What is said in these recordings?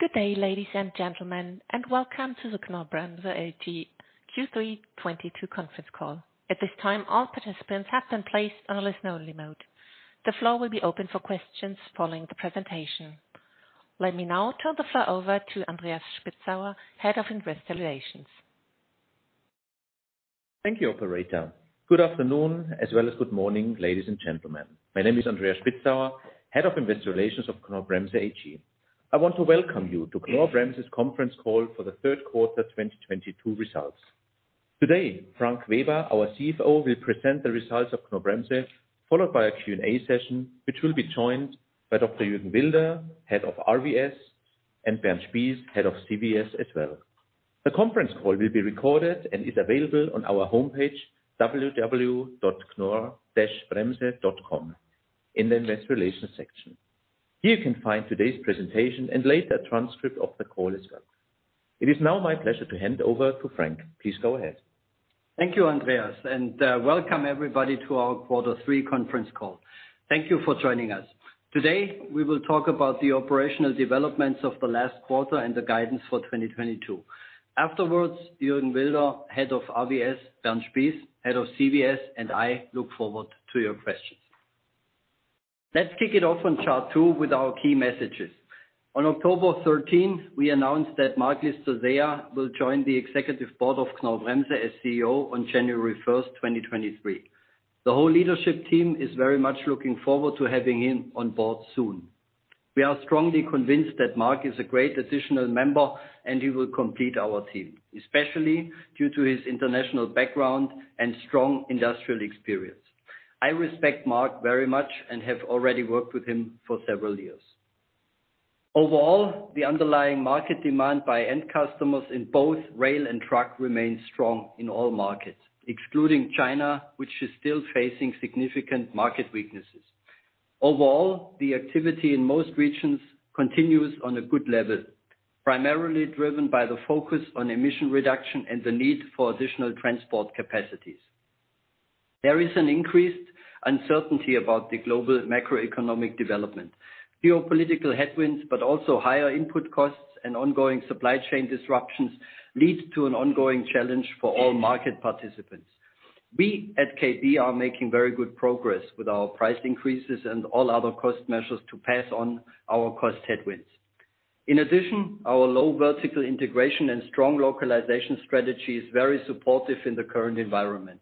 Good day, ladies and gentlemen, and welcome to the Knorr-Bremse AG Q322 Conference Call. At this time, all participants have been placed on listen only mode. The floor will be open for questions following the presentation. Let me now turn the floor over to Andreas Spitzauer, Head of Investor Relations. Thank you, operator. Good afternoon, as well as good morning, ladies and gentlemen. My name is Andreas Spitzauer, Head of Investor Relations of Knorr-Bremse AG. I want to welcome you to Knorr-Bremse's conference call for the Third Quarter, 2022 Results. Today, Frank Weber, our CFO, will present the results of Knorr-Bremse, followed by a Q&A session, which will be joined by Dr. Jürgen Wilder, Head of RVS, and Bernd Spies, Head of CVS as well. The conference call will be recorded and is available on our homepage, www.knorr-bremse.com in the Investor Relations section. Here you can find today's presentation and later a transcript of the call as well. It is now my pleasure to hand over to Frank. Please go ahead. Thank you, Andreas, and welcome everybody to our quarter three conference call. Thank you for joining us. Today, we will talk about the operational developments of the last quarter and the guidance for 2022. Afterwards, Jürgen Wilder, head of RVS, Bernd Spies, head of CVS, and I look forward to your questions. Let's kick it off on chart two with our key messages. On October 13, we announced that Marc Llistosella will join the executive board of Knorr-Bremse as CEO on January 1st, 2023. The whole leadership team is very much looking forward to having him on board soon. We are strongly convinced that Marc Llistosella is a great additional member and he will complete our team, especially due to his international background and strong industrial experience. I respect Marc Llistosella very much and have already worked with him for several years. Overall, the underlying market demand by end customers in both rail and truck remains strong in all markets, excluding China, which is still facing significant market weaknesses. Overall, the activity in most regions continues on a good level, primarily driven by the focus on emission reduction and the need for additional transport capacities. There is an increased uncertainty about the global macroeconomic development. Geopolitical headwinds, but also higher input costs and ongoing supply chain disruptions lead to an ongoing challenge for all market participants. We at KB are making very good progress with our price increases and all other cost measures to pass on our cost headwinds. In addition, our low vertical integration and strong localization strategy is very supportive in the current environment.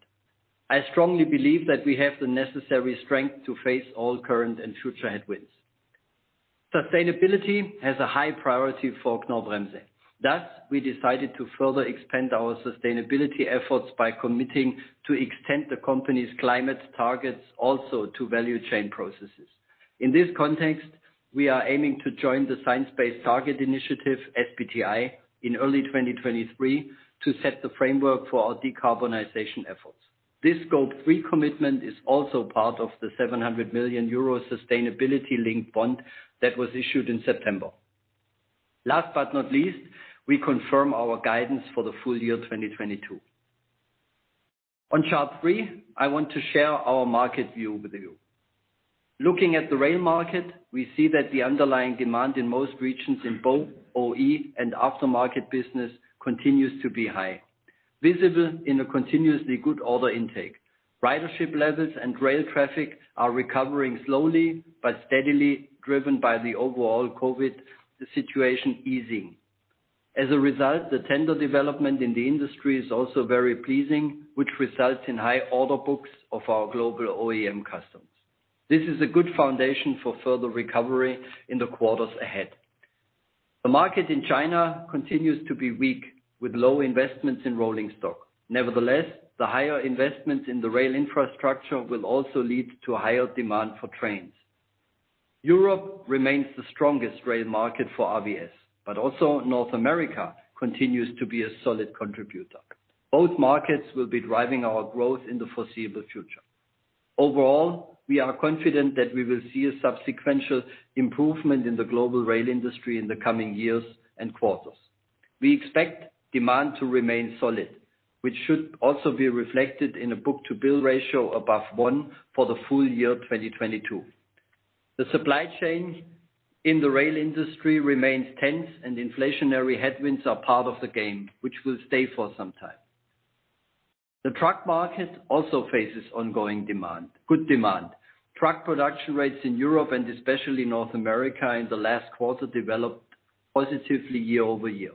I strongly believe that we have the necessary strength to face all current and future headwinds. Sustainability has a high priority for Knorr-Bremse. Thus, we decided to further expand our sustainability efforts by committing to extend the company's climate targets also to value chain processes. In this context, we are aiming to join the Science Based Targets initiative, SBTI, in early 2023 to set the framework for our decarbonization efforts. This Scope 3 commitment is also part of the 700 million euro sustainability linked bond that was issued in September. Last but not least, we confirm our guidance for the full year 2022. On chart three, I want to share our market view with you. Looking at the rail market, we see that the underlying demand in most regions in both OE and aftermarket business continues to be high, visible in a continuously good order intake. Ridership levels and rail traffic are recovering slowly but steadily, driven by the overall COVID situation easing. As a result, the tender development in the industry is also very pleasing, which results in high order books of our global OEM customers. This is a good foundation for further recovery in the quarters ahead. The market in China continues to be weak, with low investments in rolling stock. Nevertheless, the higher investments in the rail infrastructure will also lead to a higher demand for trains. Europe remains the strongest rail market for RVS, but also North America continues to be a solid contributor. Both markets will be driving our growth in the foreseeable future. Overall, we are confident that we will see a subsequent improvement in the global rail industry in the coming years and quarters. We expect demand to remain solid, which should also be reflected in a book-to-bill ratio above 1x for the full year 2022. The supply chain in the rail industry remains tense and inflationary headwinds are part of the game, which will stay for some time. The truck market also faces ongoing good demand. Truck production rates in Europe and especially North America in the last quarter developed positively year-over-year.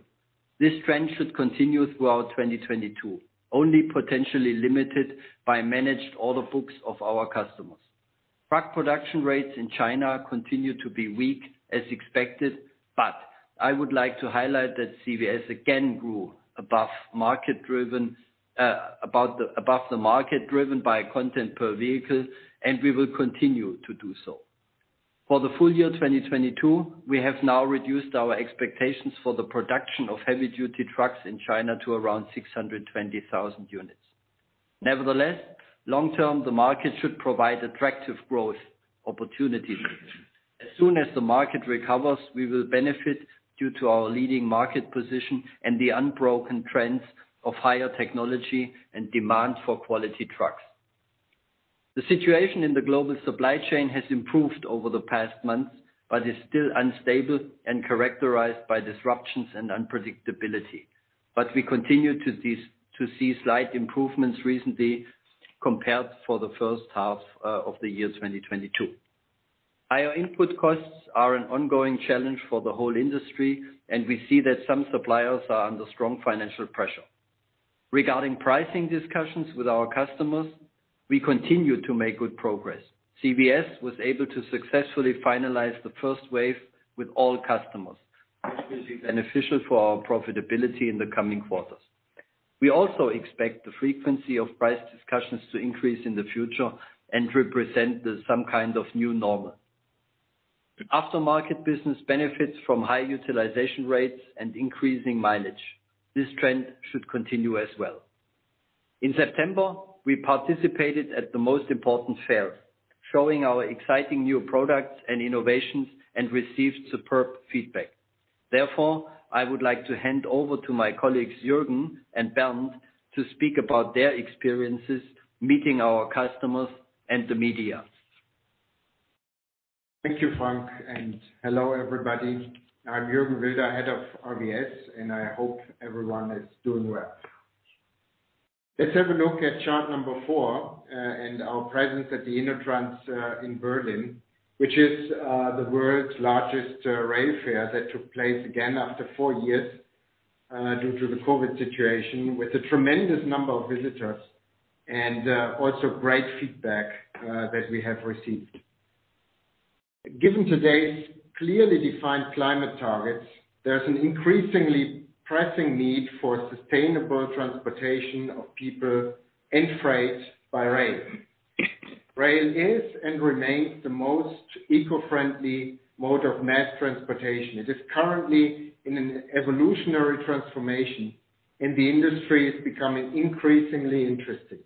This trend should continue throughout 2022, only potentially limited by managed order books of our customers. Truck production rates in China continue to be weak as expected, but I would like to highlight that CVS again grew above the market driven by content per vehicle, and we will continue to do so. For the full year, 2022, we have now reduced our expectations for the production of heavy duty trucks in China to around 600,000 units. Nevertheless, long term, the market should provide attractive growth opportunities. As soon as the market recovers, we will benefit due to our leading market position and the unbroken trends of higher technology and demand for quality trucks. The situation in the global supply chain has improved over the past months, but is still unstable and characterized by disruptions and unpredictability. We continue to see slight improvements recently compared to the first half of the year 2022. Higher input costs are an ongoing challenge for the whole industry, and we see that some suppliers are under strong financial pressure. Regarding pricing discussions with our customers, we continue to make good progress. CVS was able to successfully finalize the first wave with all customers, which will be beneficial for our profitability in the coming quarters. We also expect the frequency of price discussions to increase in the future and represent some kind of new normal. Aftermarket business benefits from high utilization rates and increasing mileage. This trend should continue as well. In September, we participated at the most important fairs, showing our exciting new products and innovations and received superb feedback. Therefore, I would like to hand over to my colleagues, Jürgen and Bernd, to speak about their experiences meeting our customers and the media. Thank you, Frank, and hello, everybody. I'm Jürgen Wilder, head of RVS, and I hope everyone is doing well. Let's have a look at chart number 4, and our presence at the InnoTrans in Berlin, which is the world's largest rail fair that took place again after four years due to the COVID situation, with a tremendous number of visitors and also great feedback that we have received. Given today's clearly defined climate targets, there's an increasingly pressing need for sustainable transportation of people and freight by rail. Rail is and remains the most eco-friendly mode of mass transportation. It is currently in an evolutionary transformation, and the industry is becoming increasingly interesting.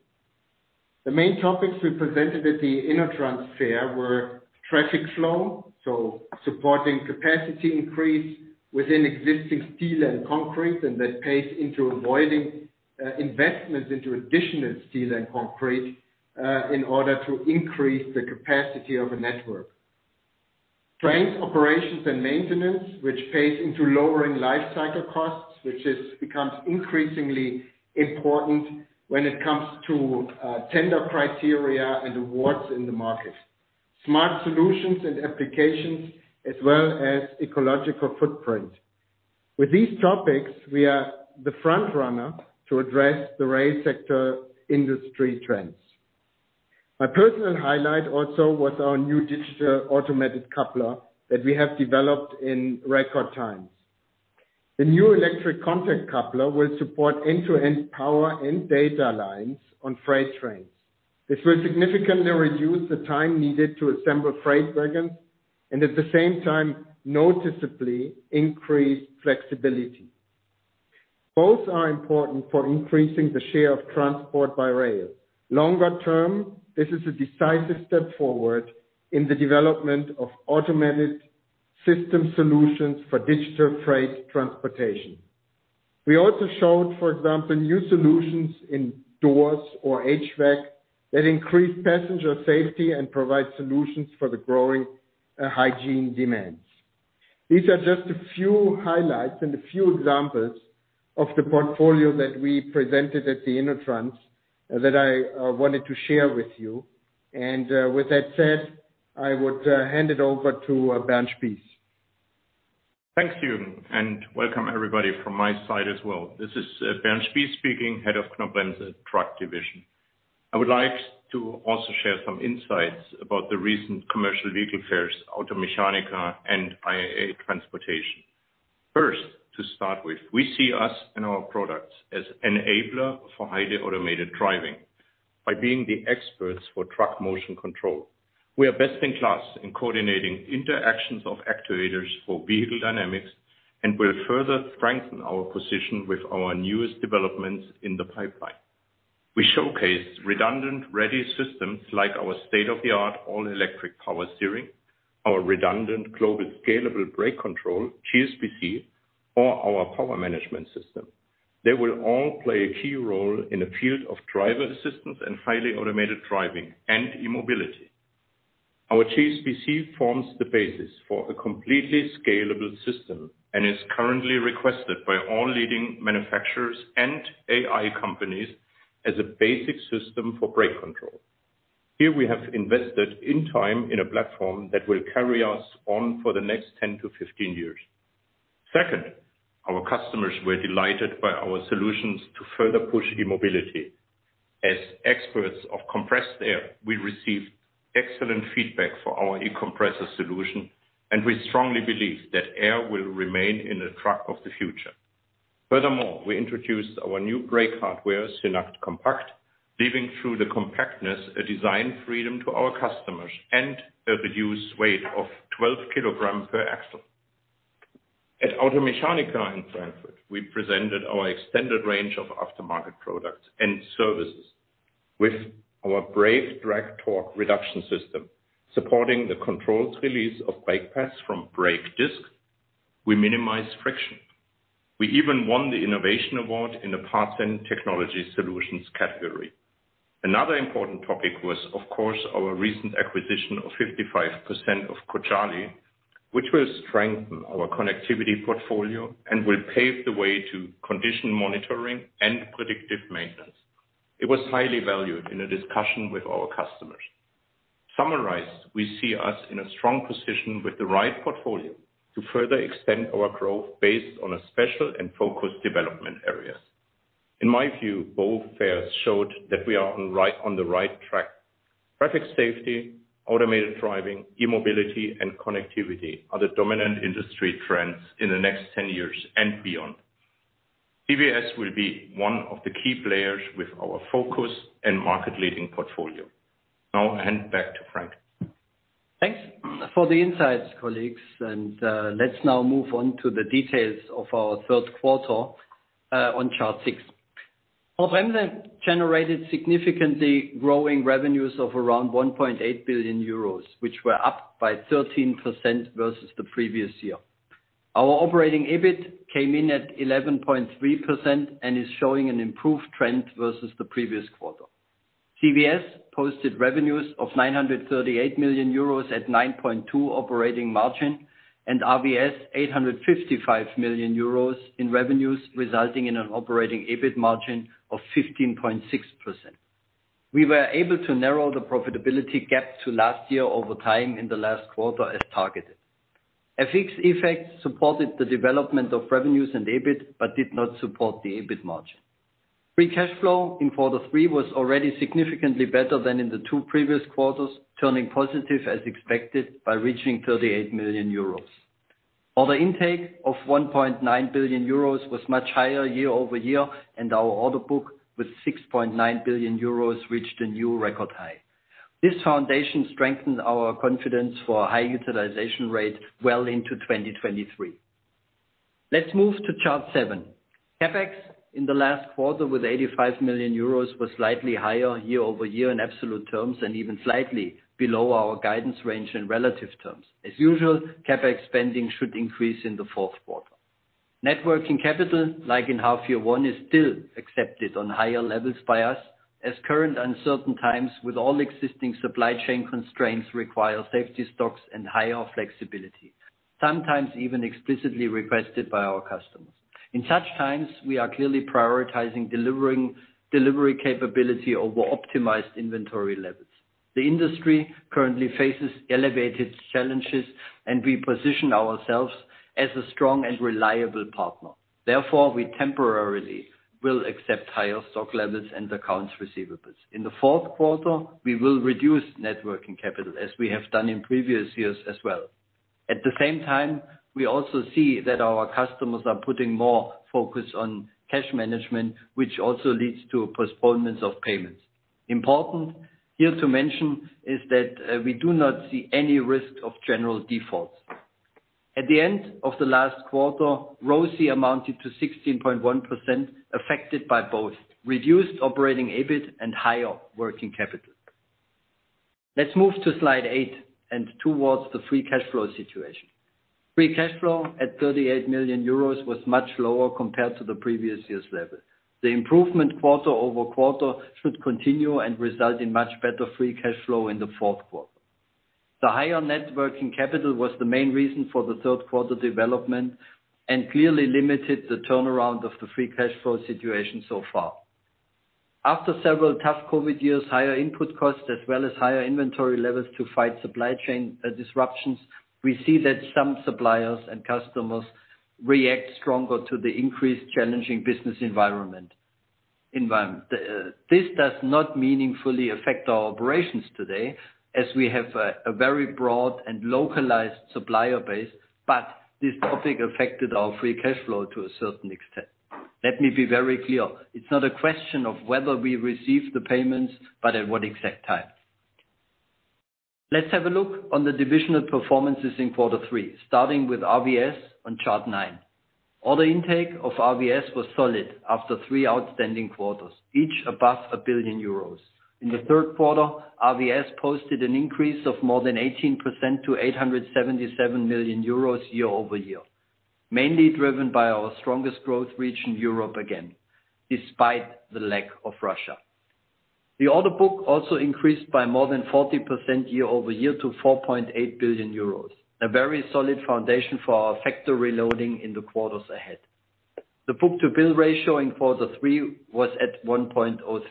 The main topics we presented at the InnoTrans were traffic flow, so supporting capacity increase within existing steel and concrete, and that pays into avoiding investments into additional steel and concrete in order to increase the capacity of a network. Trains, operations, and maintenance, which pays into lowering life cycle costs, which becomes increasingly important when it comes to tender criteria and awards in the market. Smart solutions and applications, as well as ecological footprint. With these topics, we are the front runner to address the rail sector industry trends. My personal highlight also was our new digital automated coupler that we have developed in record times. The new electric contact coupler will support end-to-end power and data lines on freight trains. This will significantly reduce the time needed to assemble freight wagons and at the same time, noticeably increase flexibility. Both are important for increasing the share of transport by rail. Longer term, this is a decisive step forward in the development of automated system solutions for digital freight transportation. We also showed, for example, new solutions in doors or HVAC that increase passenger safety and provide solutions for the growing hygiene demands. These are just a few highlights and a few examples of the portfolio that we presented at the InnoTrans that I wanted to share with you. With that said, I would hand it over to Bernd Spies. Thanks, Jürgen, and welcome everybody from my side as well. This is Bernd Spies speaking, Head of Knorr-Bremse Truck Division. I would like to also share some insights about the recent commercial vehicle fairs, Automechanika and IAA Transportation. First, to start with, we see us and our products as enabler for highly automated driving by being the experts for truck motion control. We are best in class in coordinating interactions of actuators for vehicle dynamics and will further strengthen our position with our newest developments in the pipeline. We showcase redundant, ready systems like our state-of-the-art all-electric power steering, our Redundant Global Scalable Brake Control, GSBC, or our power management system. They will all play a key role in the field of driver assistance and highly automated driving and e-mobility. Our GSBC forms the basis for a completely scalable system and is currently requested by all leading manufacturers and OEM companies as a basic system for brake control. Here, we have invested time in a platform that will carry us on for the next 10-15 years. Second, our customers were delighted by our solutions to further push e-mobility. As experts of compressed air, we received excellent feedback for our e-compressor solution, and we strongly believe that air will remain in the truck of the future. Furthermore, we introduced our new brake hardware, SYNACT Compact, leveraging the compactness, a design freedom to our customers and a reduced weight of 12 kg per axle. At Automechanika in Frankfurt, we presented our extended range of aftermarket products and services. With our brake drag torque reduction system, supporting the controlled release of brake pads from brake disc, we minimize friction. We even won the Innovation Award in the Parts & Technology Solutions category. Another important topic was, of course, our recent acquisition of 55% of Cojali, which will strengthen our connectivity portfolio and will pave the way to condition monitoring and predictive maintenance. It was highly valued in a discussion with our customers. Summarized, we see us in a strong position with the right portfolio to further extend our growth based on a special and focused development area. In my view, both fairs showed that we are on the right track. Traffic safety, automated driving, e-mobility, and connectivity are the dominant industry trends in the next 10 years and beyond. CVS will be one of the key players with our focus and market-leading portfolio. Now I hand back to Frank. Thanks for the insights, colleagues, and let's now move on to the details of our third quarter on chart six. Our revenue generated significantly growing revenues of around 1.8 billion euros, which were up by 13% versus the previous year. Our operating EBIT came in at 11.3% and is showing an improved trend versus the previous quarter. CVS posted revenues of 938 million euros at 9.2% operating margin, and RVS, 855 million euros in revenues, resulting in an operating EBIT margin of 15.6%. We were able to narrow the profitability gap to last year over time in the last quarter as targeted. An FX effect supported the development of revenues and EBIT, but did not support the EBIT margin. Free cash flow in quarter three was already significantly better than in the two previous quarters, turning positive as expected by reaching 38 million euros. Order intake of 1.9 billion euros was much higher year-over-year, and our order book, with 6.9 billion euros, reached a new record high. This foundation strengthened our confidence for a high utilization rate well into 2023. Let's move to chart seven. CapEx in the last quarter, with 85 million euros, was slightly higher year-over-year in absolute terms, and even slightly below our guidance range in relative terms. As usual, CapEx spending should increase in the fourth quarter. Net working capital, like in first half-year, is still accepted on higher levels by us as current uncertain times with all existing supply chain constraints require safety stocks and higher flexibility, sometimes even explicitly requested by our customers. In such times, we are clearly prioritizing delivery capability over optimized inventory levels. The industry currently faces elevated challenges, and we position ourselves as a strong and reliable partner. Therefore, we temporarily will accept higher stock levels and accounts receivables. In the fourth quarter, we will reduce net working capital, as we have done in previous years as well. At the same time, we also see that our customers are putting more focus on cash management, which also leads to postponements of payments. Important here to mention is that we do not see any risk of general defaults. At the end of the last quarter, ROCE amounted to 16.1%, affected by both reduced operating EBIT and higher working capital. Let's move to slide eight and towards the free cash flow situation. Free cash flow at 38 million euros was much lower compared to the previous year's level. The improvement quarter over quarter should continue and result in much better free cash flow in the fourth quarter. The higher net working capital was the main reason for the third quarter development and clearly limited the turnaround of the free cash flow situation so far. After several tough COVID years, higher input costs, as well as higher inventory levels to fight supply chain disruptions, we see that some suppliers and customers react stronger to the increased challenging business environment. This does not meaningfully affect our operations today, as we have a very broad and localized supplier base, but this topic affected our free cash flow to a certain extent. Let me be very clear. It's not a question of whether we receive the payments, but at what exact time. Let's have a look on the divisional performances in quarter three, starting with RVS on chart nine. Order intake of RVS was solid after three outstanding quarters, each above 1 billion euros. In the third quarter, RVS posted an increase of more than 18% to 877 million euros year-over-year, mainly driven by our strongest growth region, Europe, again, despite the lack of Russia. The order book also increased by more than 40% year-over-year to 4.8 billion euros, a very solid foundation for our factory loading in the quarters ahead. The book-to-bill ratio in quarter three was at 1.03.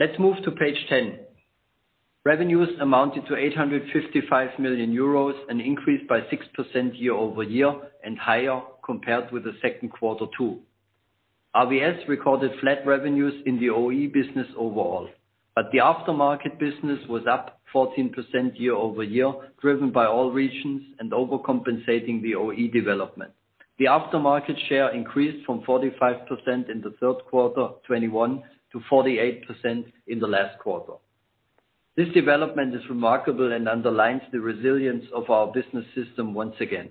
Let's move to page ten. Revenues amounted to 855 million euros, an increase by 6% year-over-year and higher compared with the second quarter too. RVS recorded flat revenues in the OE business overall, but the aftermarket business was up 14% year-over-year, driven by all regions and overcompensating the OE development. The aftermarket share increased from 45% in the third quarter 2021 to 48% in the last quarter. This development is remarkable and underlines the resilience of our business system once again.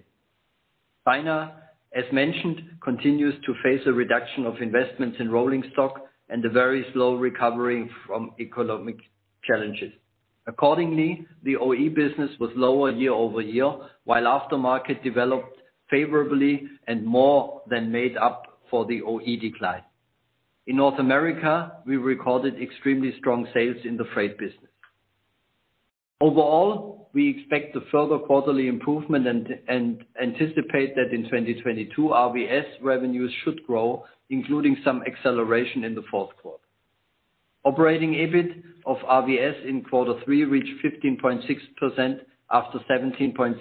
China, as mentioned, continues to face a reduction of investments in rolling stock and a very slow recovery from economic challenges. Accordingly, the OE business was lower year-over-year, while aftermarket developed favorably and more than made up for the OE decline. In North America, we recorded extremely strong sales in the freight business. Overall, we expect a further quarterly improvement and anticipate that in 2022, RVS revenues should grow, including some acceleration in the fourth quarter. Operating EBIT of RVS in quarter three reached 15.6% after 17.6%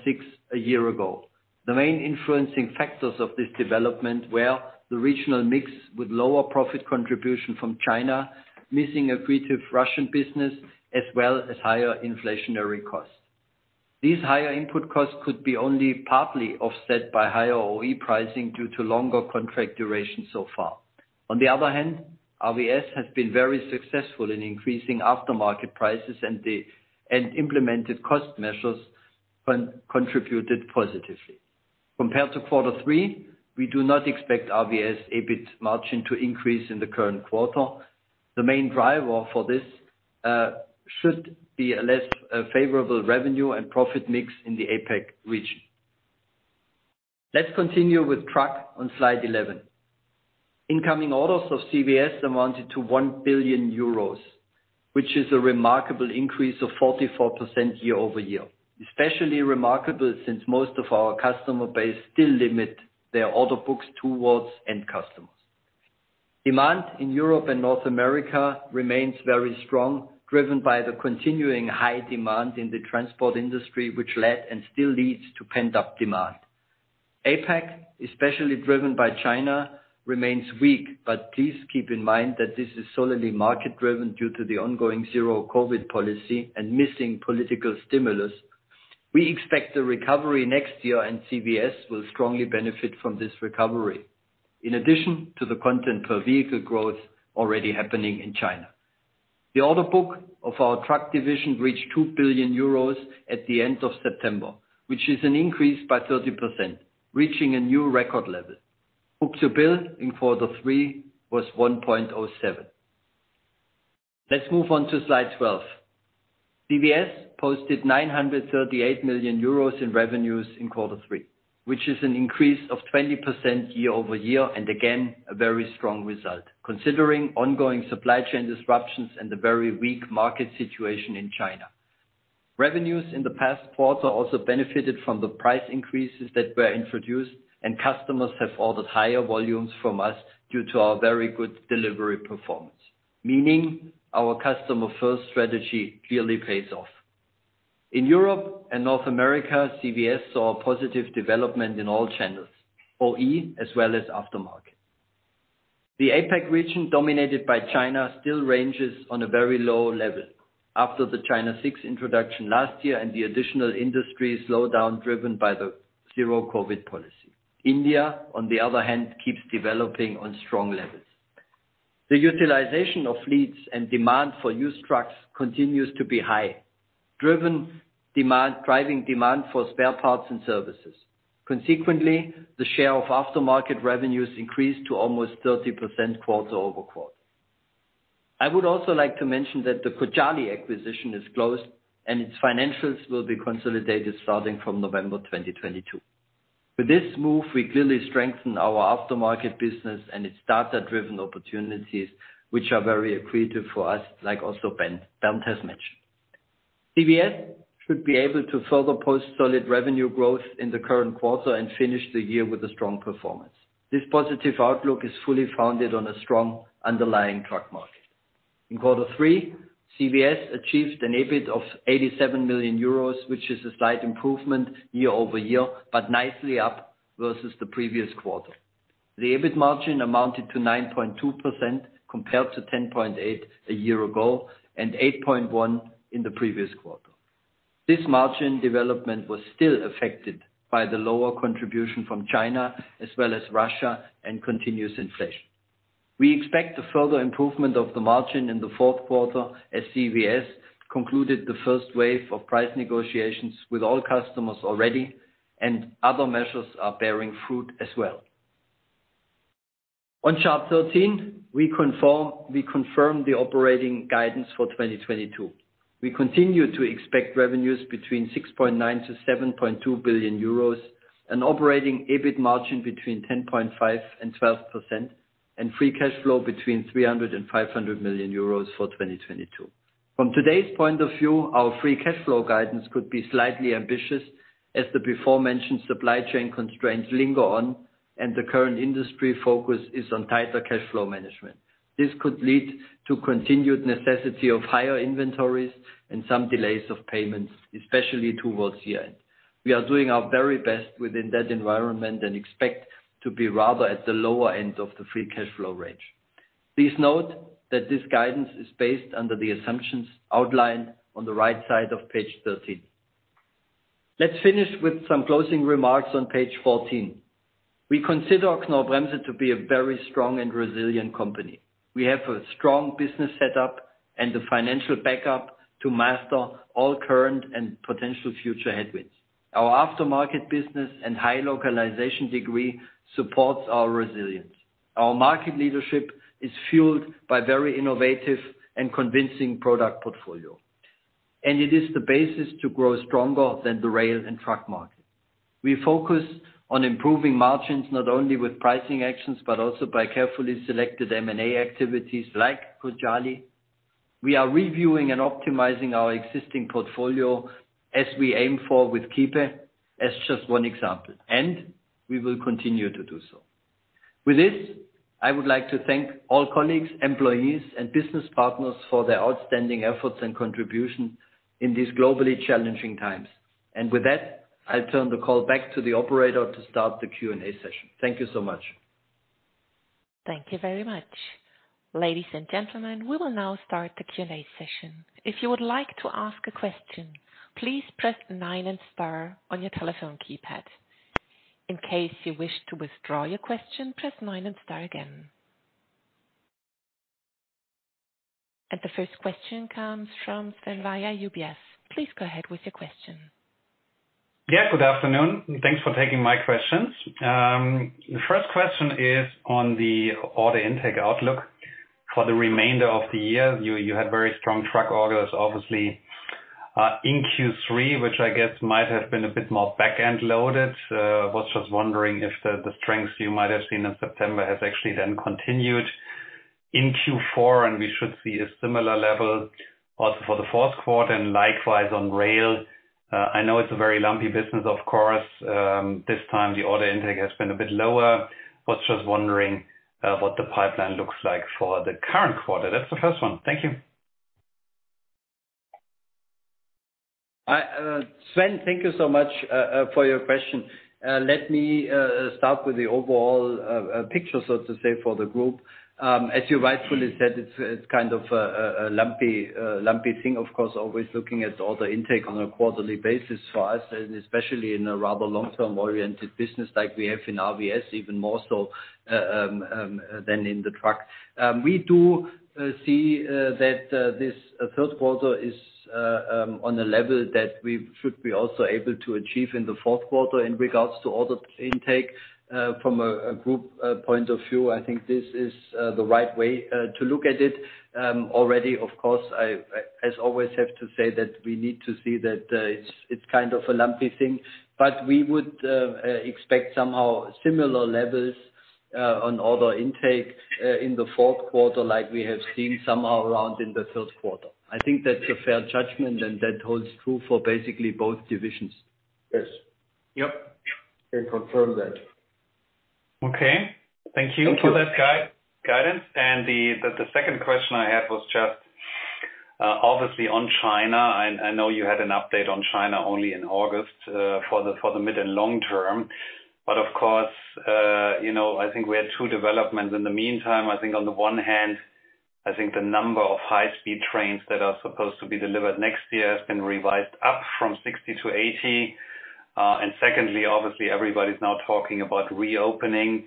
a year ago. The main influencing factors of this development were the regional mix with lower profit contribution from China, missing accretive Russian business, as well as higher inflationary costs. These higher input costs could be only partly offset by higher OE pricing due to longer contract duration so far. On the other hand, RVS has been very successful in increasing aftermarket prices and implemented cost measures contributed positively. Compared to quarter three, we do not expect RVS EBIT margin to increase in the current quarter. The main driver for this should be a less favorable revenue and profit mix in the APAC region. Let's continue with Truck on slide 11. Incoming orders of CVS amounted to 1 billion euros, which is a remarkable increase of 44% year-over-year. Especially remarkable since most of our customer base still limit their order books towards end customers. Demand in Europe and North America remains very strong, driven by the continuing high demand in the transport industry, which led and still leads to pent-up demand. APAC, especially driven by China, remains weak, but please keep in mind that this is solely market-driven due to the ongoing zero-COVID policy and missing political stimulus. We expect a recovery next year, and CVS will strongly benefit from this recovery. In addition to the content per vehicle growth already happening in China. The order book of our truck division reached 2 billion euros at the end of September, which is an increase by 30%, reaching a new record level. Book-to-bill in quarter three was 1.07. Let's move on to slide 12. CVS posted 938 million euros in revenues in quarter three, which is an increase of 20% year-over-year, and again, a very strong result considering ongoing supply chain disruptions and the very weak market situation in China. Revenues in the past quarter also benefited from the price increases that were introduced, and customers have ordered higher volumes from us due to our very good delivery performance, meaning our customer-first strategy clearly pays off. In Europe and North America, CVS saw a positive development in all channels, OE as well as aftermarket. The APAC region, dominated by China, still ranges on a very low level after the China VI introduction last year and the additional industry slowdown driven by the zero-COVID policy. India, on the other hand, keeps developing on strong levels. The utilization of fleets and demand for used trucks continues to be high, driving demand for spare parts and services. Consequently, the share of aftermarket revenues increased to almost 30% quarter-over-quarter. I would also like to mention that the Cojali acquisition is closed, and its financials will be consolidated starting from November 2022. With this move, we clearly strengthen our aftermarket business and its data-driven opportunities, which are very accretive for us, like also Bernd Spies has mentioned. CVS should be able to further post solid revenue growth in the current quarter and finish the year with a strong performance. This positive outlook is fully founded on a strong underlying truck market. In quarter three, CVS achieved an EBIT of 87 million euros, which is a slight improvement year-over-year, but nicely up versus the previous quarter. The EBIT margin amounted to 9.2% compared to 10.8% a year ago and 8.1% in the previous quarter. This margin development was still affected by the lower contribution from China as well as Russia and continuous inflation. We expect a further improvement of the margin in the fourth quarter as CVS concluded the first wave of price negotiations with all customers already, and other measures are bearing fruit as well. On Chart 13, we confirm the operating guidance for 2022. We continue to expect revenues between 6.9 billion-7.2 billion euros, an operating EBIT margin between 10.5% and 12%, and free cash flow between 300 million euros and 500 million euros for 2022. From today's point of view, our free cash flow guidance could be slightly ambitious as the before mentioned supply chain constraints linger on and the current industry focus is on tighter cash flow management. This could lead to continued necessity of higher inventories and some delays of payments, especially towards year-end. We are doing our very best within that environment and expect to be rather at the lower end of the free cash flow range. Please note that this guidance is based under the assumptions outlined on the right side of page thirteen. Let's finish with some closing remarks on page fourteen. We consider Knorr-Bremse to be a very strong and resilient company. We have a strong business setup and the financial backup to master all current and potential future headwinds. Our aftermarket business and high localization degree supports our resilience. Our market leadership is fueled by very innovative and convincing product portfolio. It is the basis to grow stronger than the rail and truck market. We focus on improving margins, not only with pricing actions, but also by carefully selected M&A activities like Cojali. We are reviewing and optimizing our existing portfolio as we aim for with Kiepe as just one example, and we will continue to do so. With this, I would like to thank all colleagues, employees, and business partners for their outstanding efforts and contribution in these globally challenging times. With that, I'll turn the call back to the operator to start the Q&A session. Thank you so much. Thank you very much. Ladies and gentlemen, we will now start the Q&A session. If you would like to ask a question, please press nine and star on your telephone keypad. In case you wish to withdraw your question, press nine and star again. The first question comes from Sven Weier, UBS. Please go ahead with your question. Yeah, good afternoon. Thanks for taking my questions. The first question is on the order intake outlook for the remainder of the year. You had very strong truck orders, obviously, in Q3, which I guess might have been a bit more back-end loaded. Was just wondering if the strength you might have seen in September has actually then continued in Q4, and we should see a similar level also for the fourth quarter and likewise on rail. I know it's a very lumpy business, of course. This time the order intake has been a bit lower. Was just wondering what the pipeline looks like for the current quarter. That's the first one. Thank you. Sven, thank you so much for your question. Let me start with the overall picture, so to say, for the group. As you rightfully said, it's kind of a lumpy thing, of course, always looking at order intake on a quarterly basis for us, and especially in a rather long-term oriented business like we have in RVS, even more so than in the truck. We do see that this third quarter is on a level that we should be also able to achieve in the fourth quarter in regards to order intake from a group point of view. I think this is the right way to look at it. Already of course, I, as always, have to say that we need to see that it's kind of a lumpy thing. We would expect somehow similar levels on order intake in the fourth quarter like we have seen somehow around in the third quarter. I think that's a fair judgment, and that holds true for basically both divisions. Yes. Yep. Can confirm that. Okay. Thank you for that guidance. The second question I had was just obviously on China. I know you had an update on China only in August for the mid and long term. Of course, you know, I think we had two developments. In the meantime, I think on the one hand, I think the number of high-speed trains that are supposed to be delivered next year has been revised up from 60 to 80. And secondly, obviously, everybody's now talking about reopening.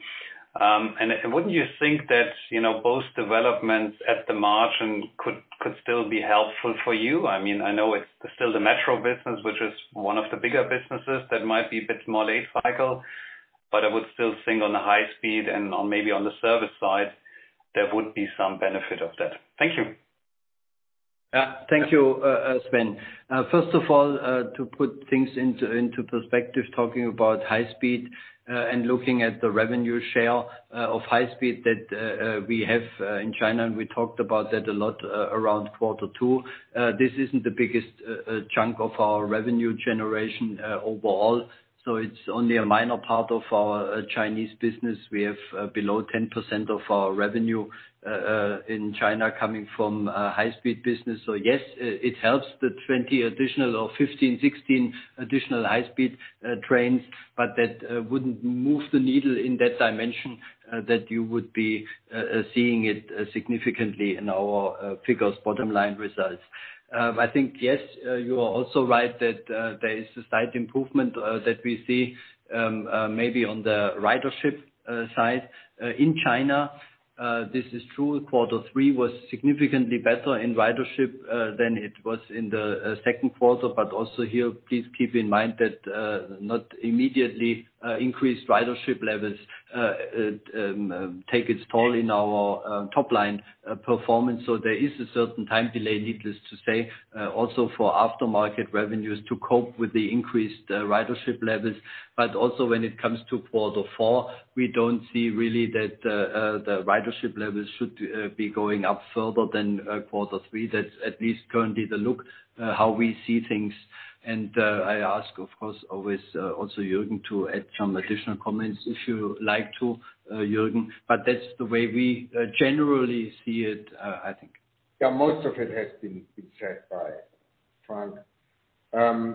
And wouldn't you think that, you know, both developments at the margin could still be helpful for you? I mean, I know it's still the metro business, which is one of the bigger businesses that might be a bit more late cycle, but I would still think on the high speed and on maybe the service side, there would be some benefit of that. Thank you. Thank you, Sven. First of all, to put things into perspective, talking about high speed and looking at the revenue share of high speed that we have in China, and we talked about that a lot around quarter two. This isn't the biggest chunk of our revenue generation overall, so it's only a minor part of our Chinese business. We have below 10% of our revenue in China coming from high-speed business. Yes, it helps the 20 additional or 15, 16 additional high-speed trains, but that wouldn't move the needle in that dimension that you would be seeing it significantly in our figures bottom line results. I think, yes, you are also right that there is a slight improvement that we see maybe on the ridership side in China. This is true. Quarter three was significantly better in ridership than it was in the second quarter. Also here, please keep in mind that not immediately increased ridership levels take effect in our top line performance. There is a certain time delay, needless to say, also for aftermarket revenues to cope with the increased ridership levels. Also, when it comes to quarter four, we don't really see that the ridership levels should be going up further than quarter three. That's at least currently the outlook how we see things. I ask, of course, always, also Jürgen to add some additional comments if you like to, Jürgen, but that's the way we generally see it, I think. Yeah, most of it has been said by Frank.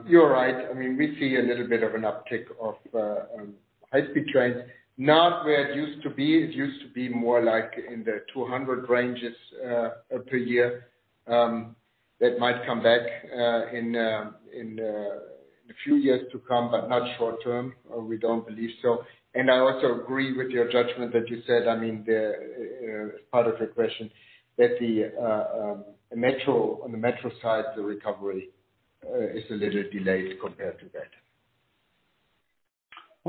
You're right. I mean, we see a little bit of an uptick of high-speed trains. Not where it used to be. It used to be more like in the 200 range per year. That might come back in a few years to come, but not short term, we don't believe so. I also agree with your judgment that you said. I mean, the answer as part of the question that the metro, on the metro side, the recovery is a little delayed compared to that.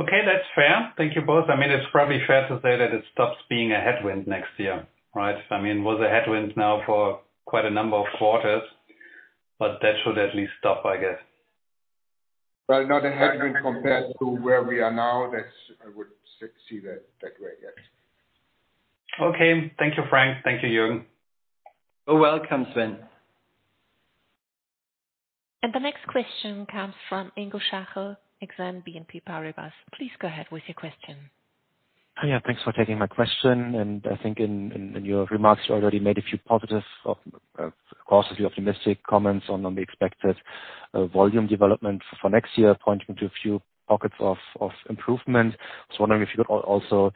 Okay, that's fair. Thank you both. I mean, it's probably fair to say that it stops being a headwind next year, right? I mean, it was a headwind now for quite a number of quarters, but that should at least stop, I guess. Well, not a headwind compared to where we are now. That's, I would see that way, yes. Okay. Thank you, Frank. Thank you, Jürgen. You're welcome, Sven. The next question comes from Ingo Schachel, Exane BNP Paribas. Please go ahead with your question. Yeah, thanks for taking my question. I think in your remarks, you already made a few positives of course, a few optimistic comments on the expected volume development for next year, pointing to a few pockets of improvement. I was wondering if you could also,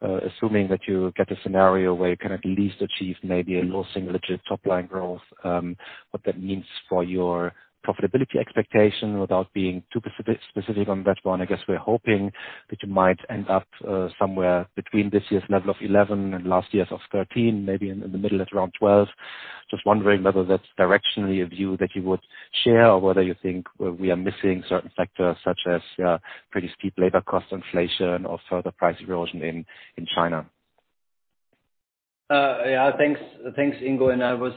assuming that you get a scenario where you can at least achieve maybe a low single digit top line growth, what that means for your profitability expectation without being too specific on that one. I guess we're hoping that you might end up somewhere between this year's level of 11% and last year's of 13%, maybe in the middle at around 12%. Just wondering whether that's directionally a view that you would share or whether you think we are missing certain factors such as pretty steep labor cost inflation or further price erosion in China? Yeah, thanks Ingo. I was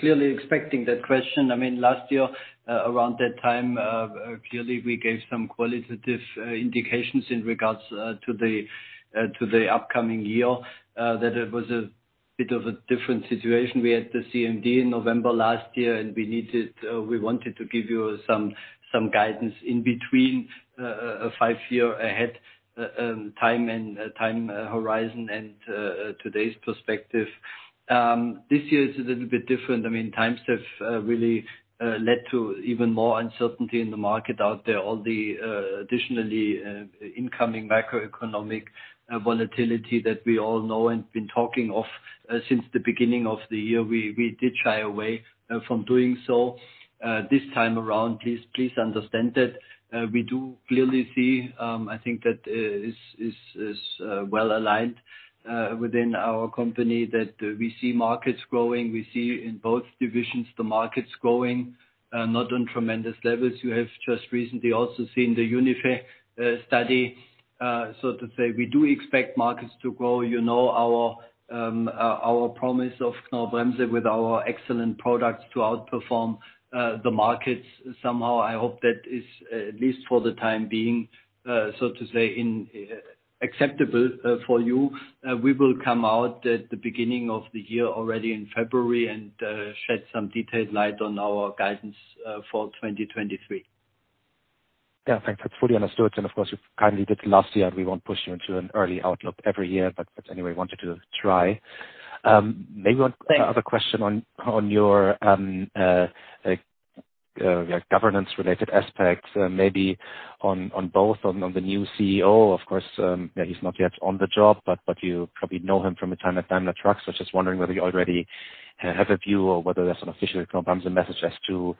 clearly expecting that question. I mean, last year around that time clearly we gave some qualitative indications in regards to the upcoming year that it was a bit of a different situation. We had the CMD in November last year, and we wanted to give you some guidance in between a five-year ahead time horizon and today's perspective. This year is a little bit different. I mean, times have really led to even more uncertainty in the market out there. All the additionally incoming macroeconomic volatility that we all know and been talking of since the beginning of the year. We did shy away from doing so this time around. Please understand that we do clearly see, I think that is well aligned within our company that we see markets growing. We see in both divisions the markets growing not on tremendous levels. You have just recently also seen the UNIFE study so to say. We do expect markets to grow. You know our promise of Knorr-Bremse with our excellent products to outperform the markets somehow. I hope that is at least for the time being so to say acceptable for you. We will come out at the beginning of the year already in February and shed some detailed light on our guidance for 2023. Yeah, thanks. That's fully understood. Of course, you kindly did last year. We won't push you into an early outlook every year, but anyway, wanted to try. Maybe one other question on your governance related aspects, maybe on the new CEO, of course, he's not yet on the job, but you probably know him from your time at Daimler Truck. I was just wondering whether you already have a view or whether there's an official Knorr-Bremse message as to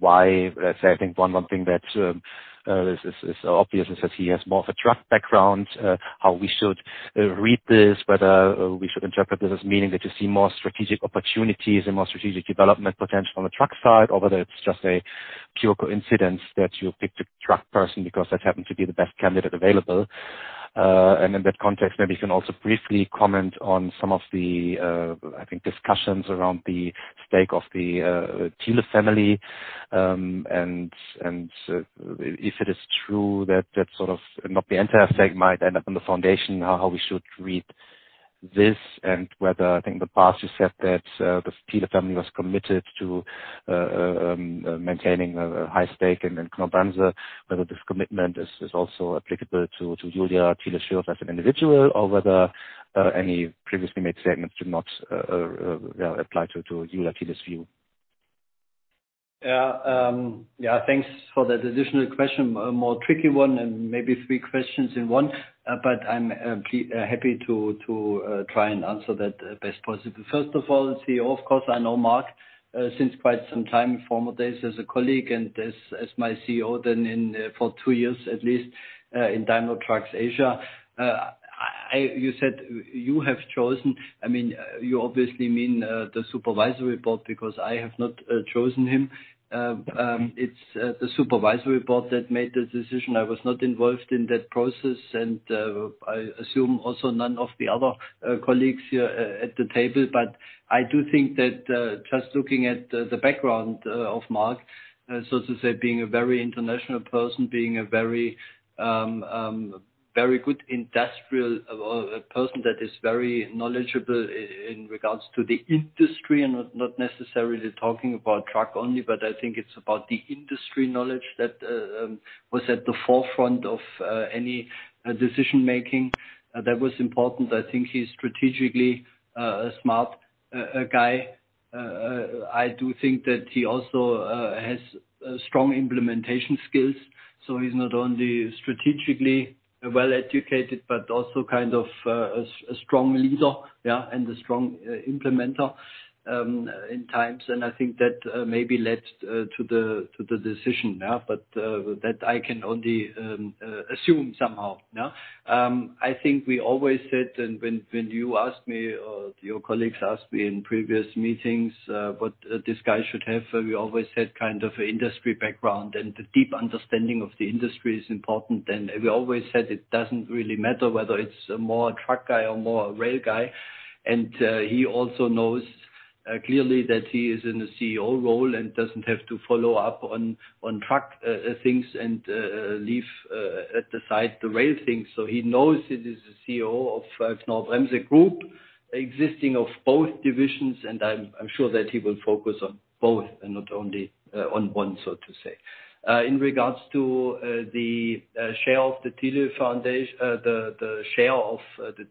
why, say, I think one thing that is obvious is that he has more of a truck background. How we should read this, whether we should interpret this as meaning that you see more strategic opportunities and more strategic development potential on the truck side or whether it's just a pure coincidence that you picked a truck person because that happened to be the best candidate available. In that context, maybe you can also briefly comment on some of the, I think, discussions around the stake of the Thiele family, and if it is true that that sort of not the entire stake might end up in the foundation, how we should read this and whether I think in the past you said that the Thiele family was committed to maintaining a high stake and then Knorr-Bremse, whether this commitment is also applicable to Julia Thiele-Schürhoff as an individual or whether any previously made statements do not apply to Julia Thiele-Schürhoff's view. Yeah. Yeah, thanks for that additional question. A more tricky one and maybe three questions in one, but I'm happy to try and answer that best possible. First of all, the CEO, of course, I know Marc Llistosella since quite some time, former days as a colleague and as my CEO then in for two years at least in Daimler Truck Asia. You said you have chosen. I mean, you obviously mean the Supervisory Board because I have not chosen him. It's the Supervisory Board that made the decision. I was not involved in that process, and I assume also none of the other colleagues here at the table. I do think that, just looking at the background of Marc Llistosella, so to say, being a very international person, being a very good industrial person that is very knowledgeable in regards to the industry and not necessarily talking about truck only, but I think it's about the industry knowledge that was at the forefront of any decision-making that was important. I think he's strategically a smart guy. I do think that he also has strong implementation skills, so he's not only strategically well educated, but also kind of a strong leader, yeah, and a strong implementer in times. I think that maybe led to the decision, yeah, but that I can only assume somehow, yeah. I think we always said and when you asked me or your colleagues asked me in previous meetings, what this guy should have, we always said kind of industry background and the deep understanding of the industry is important. We always said it doesn't really matter whether it's more a truck guy or more a rail guy. He also knows clearly that he is in a CEO role and doesn't have to follow up on truck things and leave aside the rail thing. He knows he is the CEO of Knorr-Bremse Group, consisting of both divisions, and I'm sure that he will focus on both and not only on one, so to say. In regards to the share of the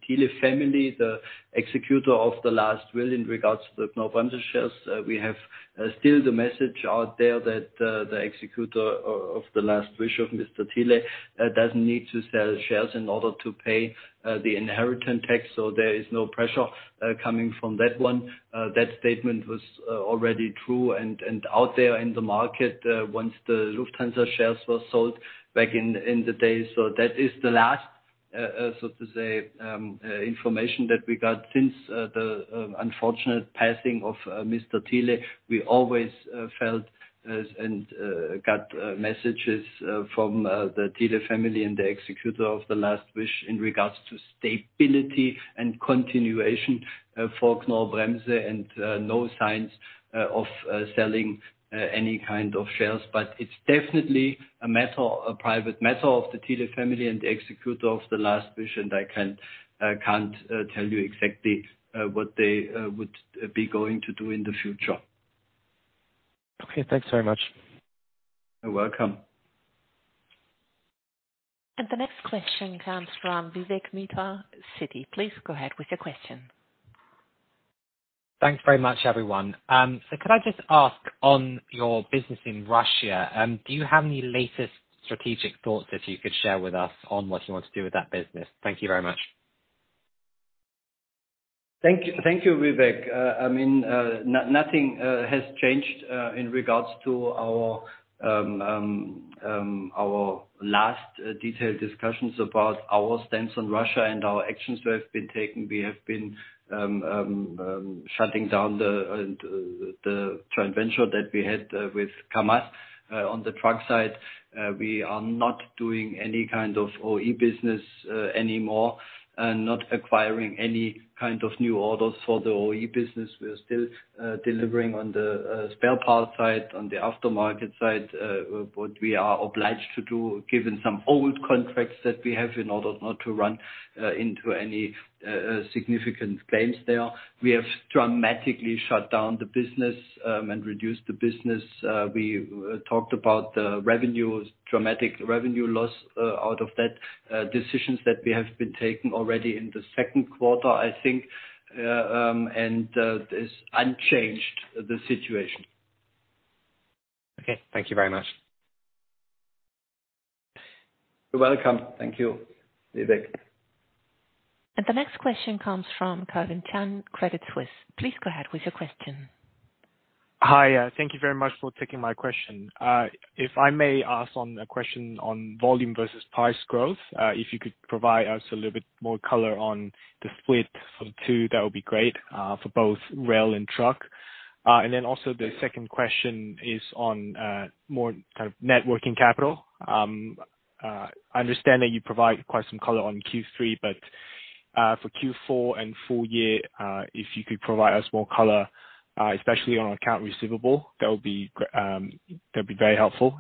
Thiele family, the executor of the last will in regards to the Knorr-Bremse shares, we have still the message out there that the executor of the last wish of Mr. Thiele doesn't need to sell shares in order to pay the inheritance tax, so there is no pressure coming from that one. That statement was already true and out there in the market once the Lufthansa shares were sold back in the day. That is the last, so to say, information that we got since the unfortunate passing of Mr. Thiele. We always felt and got messages from the Thiele family and the executor of the last wish in regards to stability and continuation for Knorr-Bremse, and no signs of selling any kind of shares. It's definitely a matter, a private matter of the Thiele family and the executor of the last wish, and I can't tell you exactly what they would be going to do in the future. Okay. Thanks very much. You're welcome. The next question comes from Vivek Midha, Citi. Please go ahead with your question. Thanks very much, everyone. Could I just ask on your business in Russia? Do you have any latest strategic thoughts that you could share with us on what you want to do with that business? Thank you very much. Thank you. Thank you, Vivek. Nothing has changed in regards to our last detailed discussions about our stance on Russia and our actions that have been taken. We have been shutting down the joint venture that we had with Kamaz on the truck side. We are not doing any kind of OE business anymore, and not acquiring any kind of new orders for the OE business. We're still delivering on the spare part side, on the aftermarket side, what we are obliged to do, given some old contracts that we have in order not to run into any significant claims there. We have dramatically shut down the business and reduced the business. We talked about the revenues, dramatic revenue loss, out of that, decisions that we have been taking already in the second quarter, I think. Is unchanged the situation. Okay. Thank you very much. You're welcome. Thank you, Vivek. The next question comes from Calvin Tan, Credit Suisse. Please go ahead with your question. Hi. Thank you very much for taking my question. If I may ask a question on volume versus price growth, if you could provide us a little bit more color on the split of two, that would be great, for both rail and truck. Then also the second question is on more kind of net working capital. I understand that you provide quite some color on Q3, but for Q4 and full year, if you could provide us more color, especially on accounts receivable, that'd be very helpful.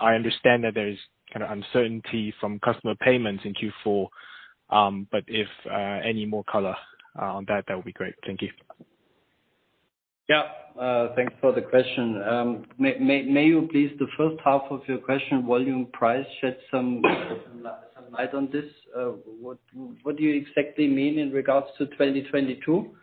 I understand that there is kinda uncertainty from customer payments in Q4, but if any more color on that would be great. Thank you. Yeah. Thanks for the question. May you please the first half of your question, volume price, shed some light on this? What do you exactly mean in regards to 2022?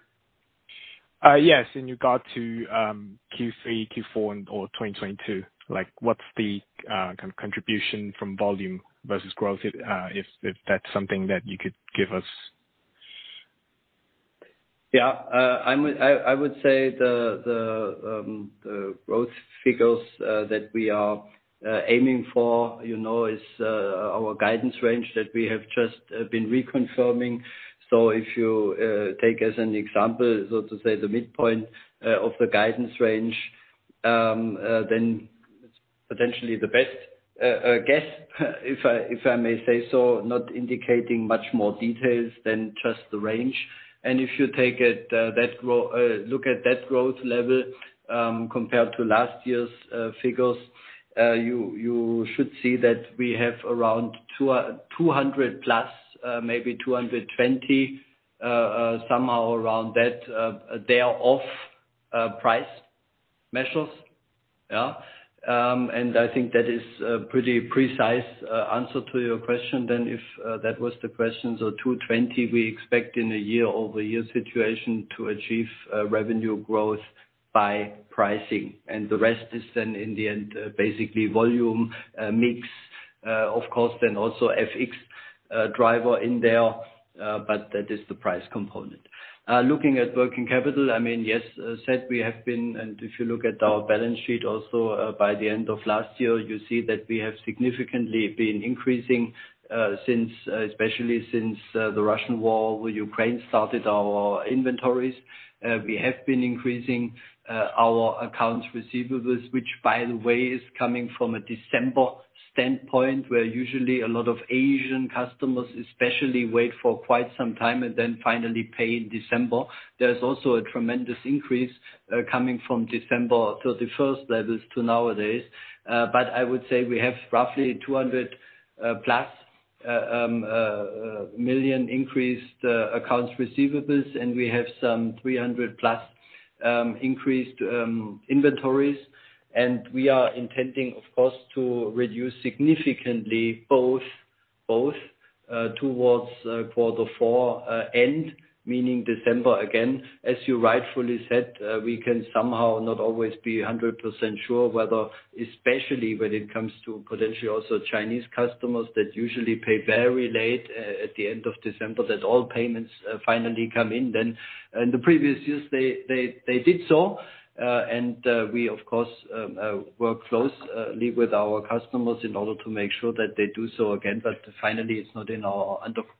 Yes, in regard to Q3, Q4, and/or 2022. Like, what's the kind of contribution from volume versus growth, if that's something that you could give us. Yeah. I would say the growth figures that we are aiming for, you know, is our guidance range that we have just been reconfirming. If you take as an example, so to say, the midpoint of the guidance range, then potentially the best guess if I may say so, not indicating much more details than just the range. If you take it, look at that growth level compared to last year's figures, you should see that we have around 200+, maybe 220, somehow around that thereof price measures. Yeah. I think that is a pretty precise answer to your question then, if that was the question. 220 we expect in a year-over-year situation to achieve revenue growth by pricing. The rest is then in the end basically volume mix. Of course, also FX driver in there, but that is the price component. Looking at working capital, I mean, yes, as said, we have been, and if you look at our balance sheet also, by the end of last year, you see that we have significantly been increasing since the Russian war with Ukraine started our inventories. We have been increasing Our accounts receivables, which by the way is coming from a December standpoint, where usually a lot of Asian customers especially wait for quite some time and then finally pay in December. There's also a tremendous increase coming from December 31st levels to nowadays. But I would say we have roughly 200+ million increased accounts receivables, and we have some 300+ increased inventories. We are intending, of course, to reduce significantly both towards quarter four end, meaning December again. As you rightfully said, we can somehow not always be 100% sure whether, especially when it comes to potentially also Chinese customers that usually pay very late at the end of December, that all payments finally come in then. In the previous years, they did so, and we of course work closely with our customers in order to make sure that they do so again, but finally it's not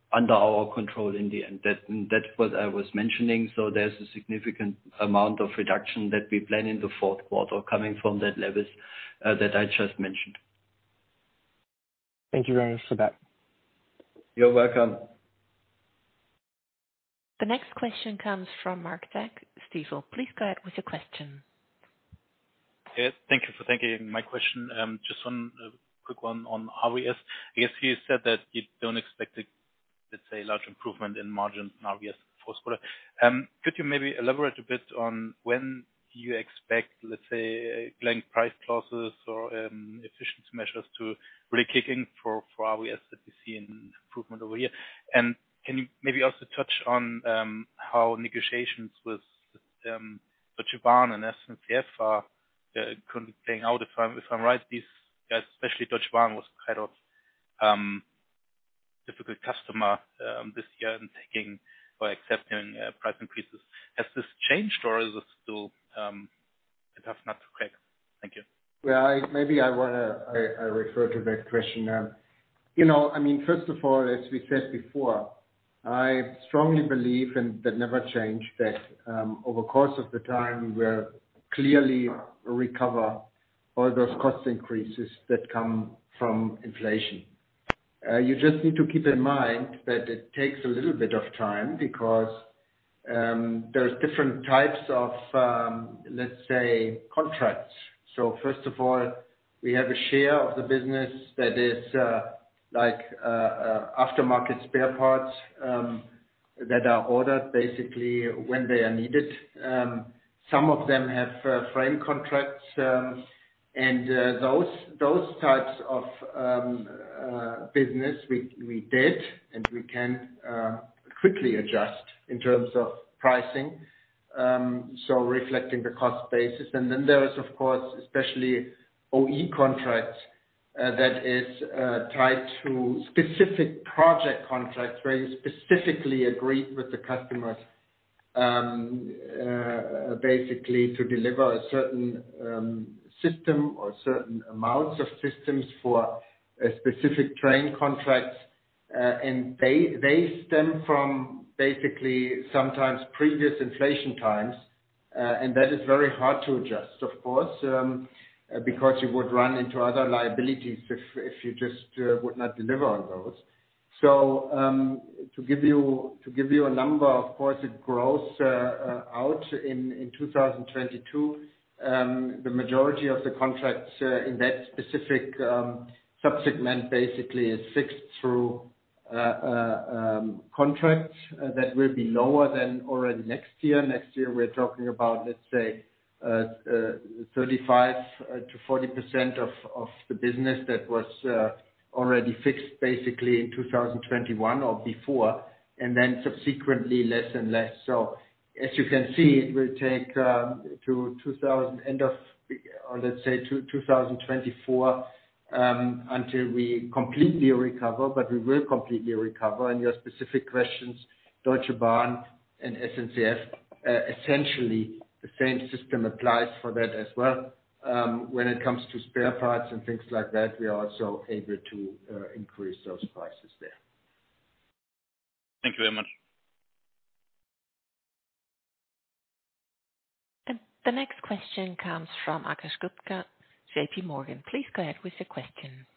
under our control in the end. That's what I was mentioning. There's a significant amount of reduction that we plan in the fourth quarter coming from that levels that I just mentioned. Thank you very much for that. You're welcome. The next question comes from Marc Zeck, Stifel. Please go ahead with your question. Yes, thank you for taking my question. Just one quick one on RVS. I guess you said that you don't expect, let's say, large improvement in margins in RVS for quarter. Could you maybe elaborate a bit on when you expect, let's say, blanket price clauses or efficiency measures to really kick in for RVS that you see an improvement over here? And can you maybe also touch on how negotiations with Deutsche Bahn and SNCF are playing out? If I'm right, these, especially Deutsche Bahn was kind of difficult customer this year in taking or accepting price increases. Has this changed or is this still a tough nut to crack? Thank you. Well, maybe I wanna refer to that question. You know, I mean, first of all, as we said before, I strongly believe, and that never changed, that over the course of time, we'll clearly recover all those cost increases that come from inflation. You just need to keep in mind that it takes a little bit of time because there's different types of, let's say, contracts. First of all, we have a share of the business that is like aftermarket spare parts that are ordered basically when they are needed. Some of them have frame contracts, and those types of business we did, and we can quickly adjust in terms of pricing, so reflecting the cost basis. There is, of course, especially OE contracts that is tied to specific project contracts where you specifically agreed with the customers basically to deliver a certain system or certain amounts of systems for a specific train contract. They stem from basically sometimes previous inflation times and that is very hard to adjust, of course, because you would run into other liabilities if you just would not deliver on those. To give you a number, of course, it grows out in 2022. The majority of the contracts in that specific subsegment basically is fixed through contracts that will be lower than already next year. Next year, we're talking about, let's say, 35%-40% of the business that was already fixed basically in 2021 or before. Then subsequently less and less. As you can see, it will take, or let's say 2024, until we completely recover, but we will completely recover. Your specific questions, Deutsche Bahn and SNCF, essentially the same system applies for that as well. When it comes to spare parts and things like that, we are also able to increase those prices there. Thank you very much. The next question comes from Akash Gupta, JPMorgan. Please go ahead with your question.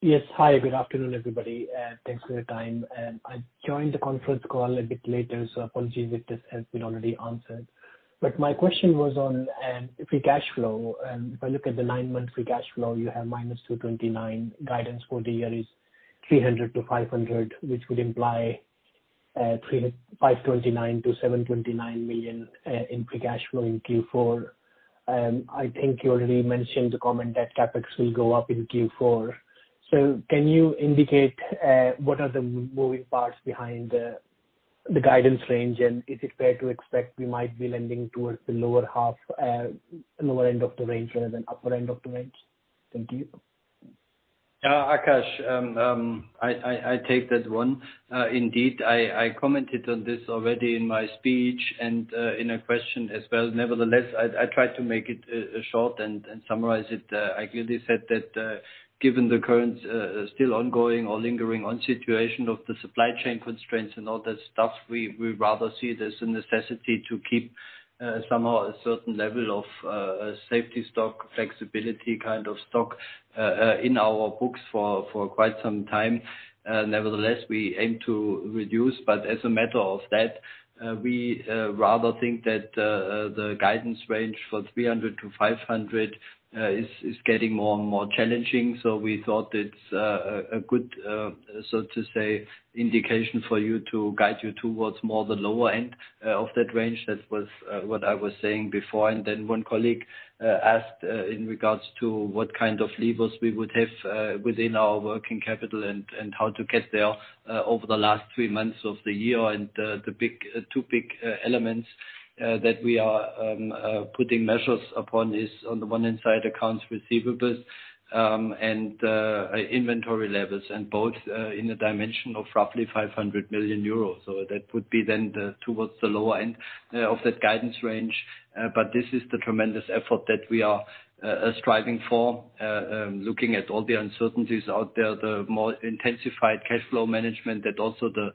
Yes. Hi, good afternoon, everybody, and thanks for your time. I joined the conference call a bit later, so apologies if this has been already answered. My question was on free cash flow. If I look at the nine-month free cash flow, you have -229 million. Guidance for the year is 300 million-500 million, which would imply 529-729 million in free cash flow in Q4. I think you already mentioned the comment that CapEx will go up in Q4. Can you indicate what are the moving parts behind the guidance range? Is it fair to expect we might be leaning towards the lower half, lower end of the range rather than upper end of the range? Thank you. Yeah, Akash, I take that one. Indeed, I commented on this already in my speech and in a question as well. Nevertheless, I try to make it short and summarize it. I clearly said that, given the current still ongoing or lingering situation of the supply chain constraints and all that stuff, we rather see it as a necessity to keep somehow a certain level of safety stock, flexibility kind of stock in our books for quite some time. Nevertheless, we aim to reduce, but as a matter of that, we rather think that the guidance range for 300-500 is getting more and more challenging. We thought it's a good so to say indication for you to guide you towards more the lower end of that range. That was what I was saying before. Then one colleague asked in regards to what kind of levers we would have within our working capital and how to get there over the last three months of the year. Two big elements that we are putting measures upon is on the one hand accounts receivables and inventory levels, and both in a dimension of roughly 500 million euros. That would be then towards the lower end of that guidance range. This is the tremendous effort that we are striving for, looking at all the uncertainties out there, the more intensified cash flow management that also the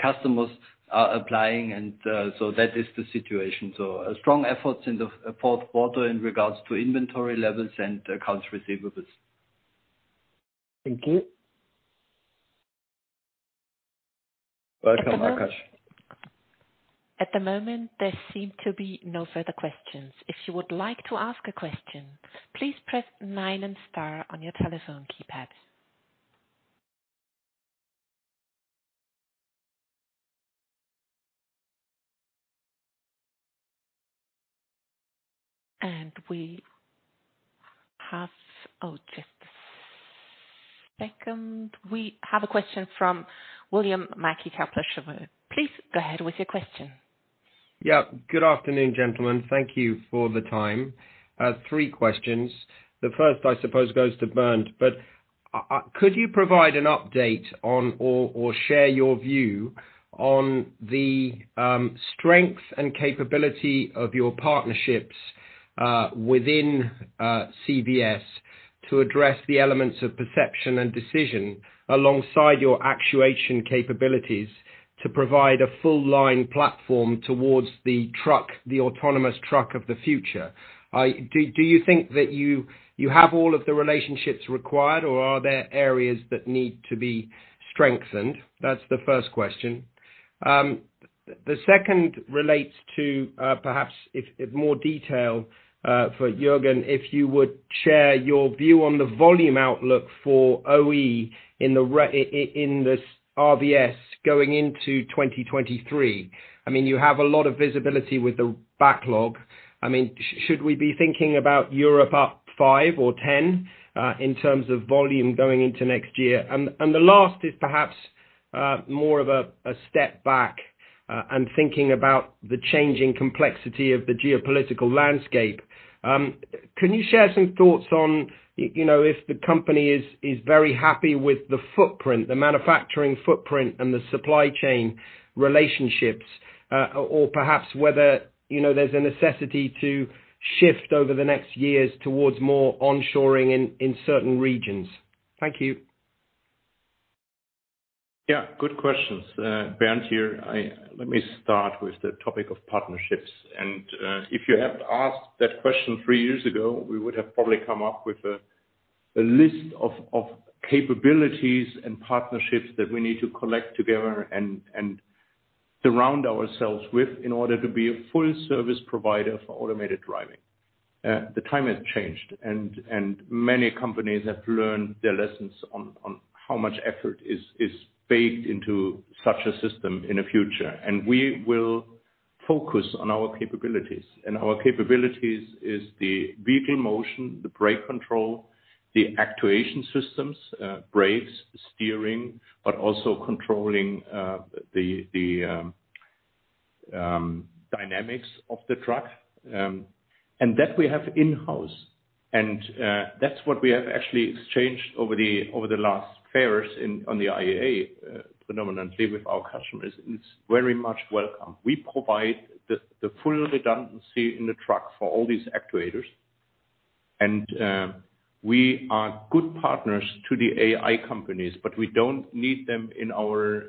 customers are applying. That is the situation. Strong efforts in the fourth quarter in regards to inventory levels and accounts receivables. Thank you. Welcome, Akash. At the moment, there seem to be no further questions. If you would like to ask a question, please press nine and star on your telephone keypad. We have a question from William Mackie, Kepler Cheuvreux. Please go ahead with your question. Yeah, good afternoon, gentlemen. Thank you for the time. I have three questions. The first, I suppose, goes to Bernd, but could you provide an update on or share your view on the strength and capability of your partnerships within CVS to address the elements of perception and decision alongside your actuation capabilities to provide a full line platform towards the truck, the autonomous truck of the future? Do you think that you have all of the relationships required or are there areas that need to be strengthened? That's the first question. The second relates to perhaps if more detail for Jürgen, if you would share your view on the volume outlook for OE in this RVS going into 2023. I mean, you have a lot of visibility with the backlog. I mean, should we be thinking about Europe up 5% or 10% in terms of volume going into next year? The last is perhaps more of a step back and thinking about the changing complexity of the geopolitical landscape. Can you share some thoughts on, you know, if the company is very happy with the footprint, the manufacturing footprint and the supply chain relationships, or perhaps whether, you know, there's a necessity to shift over the next years towards more onshoring in certain regions? Thank you. Yeah, good questions. Bernd here. Let me start with the topic of partnerships. If you have asked that question three years ago, we would have probably come up with a list of capabilities and partnerships that we need to collect together and surround ourselves with in order to be a full service provider for automated driving. The time has changed and many companies have learned their lessons on how much effort is baked into such a system in the future. We will focus on our capabilities. Our capabilities is the vehicle motion, the brake control, the actuation systems, brakes, steering, but also controlling the dynamics of the truck and that we have in-house. That's what we have actually exchanged over the last fairs on the IAA predominantly with our customers. It's very much welcome. We provide the full redundancy in the truck for all these actuators. We are good partners to the AI companies, but we don't need them in our,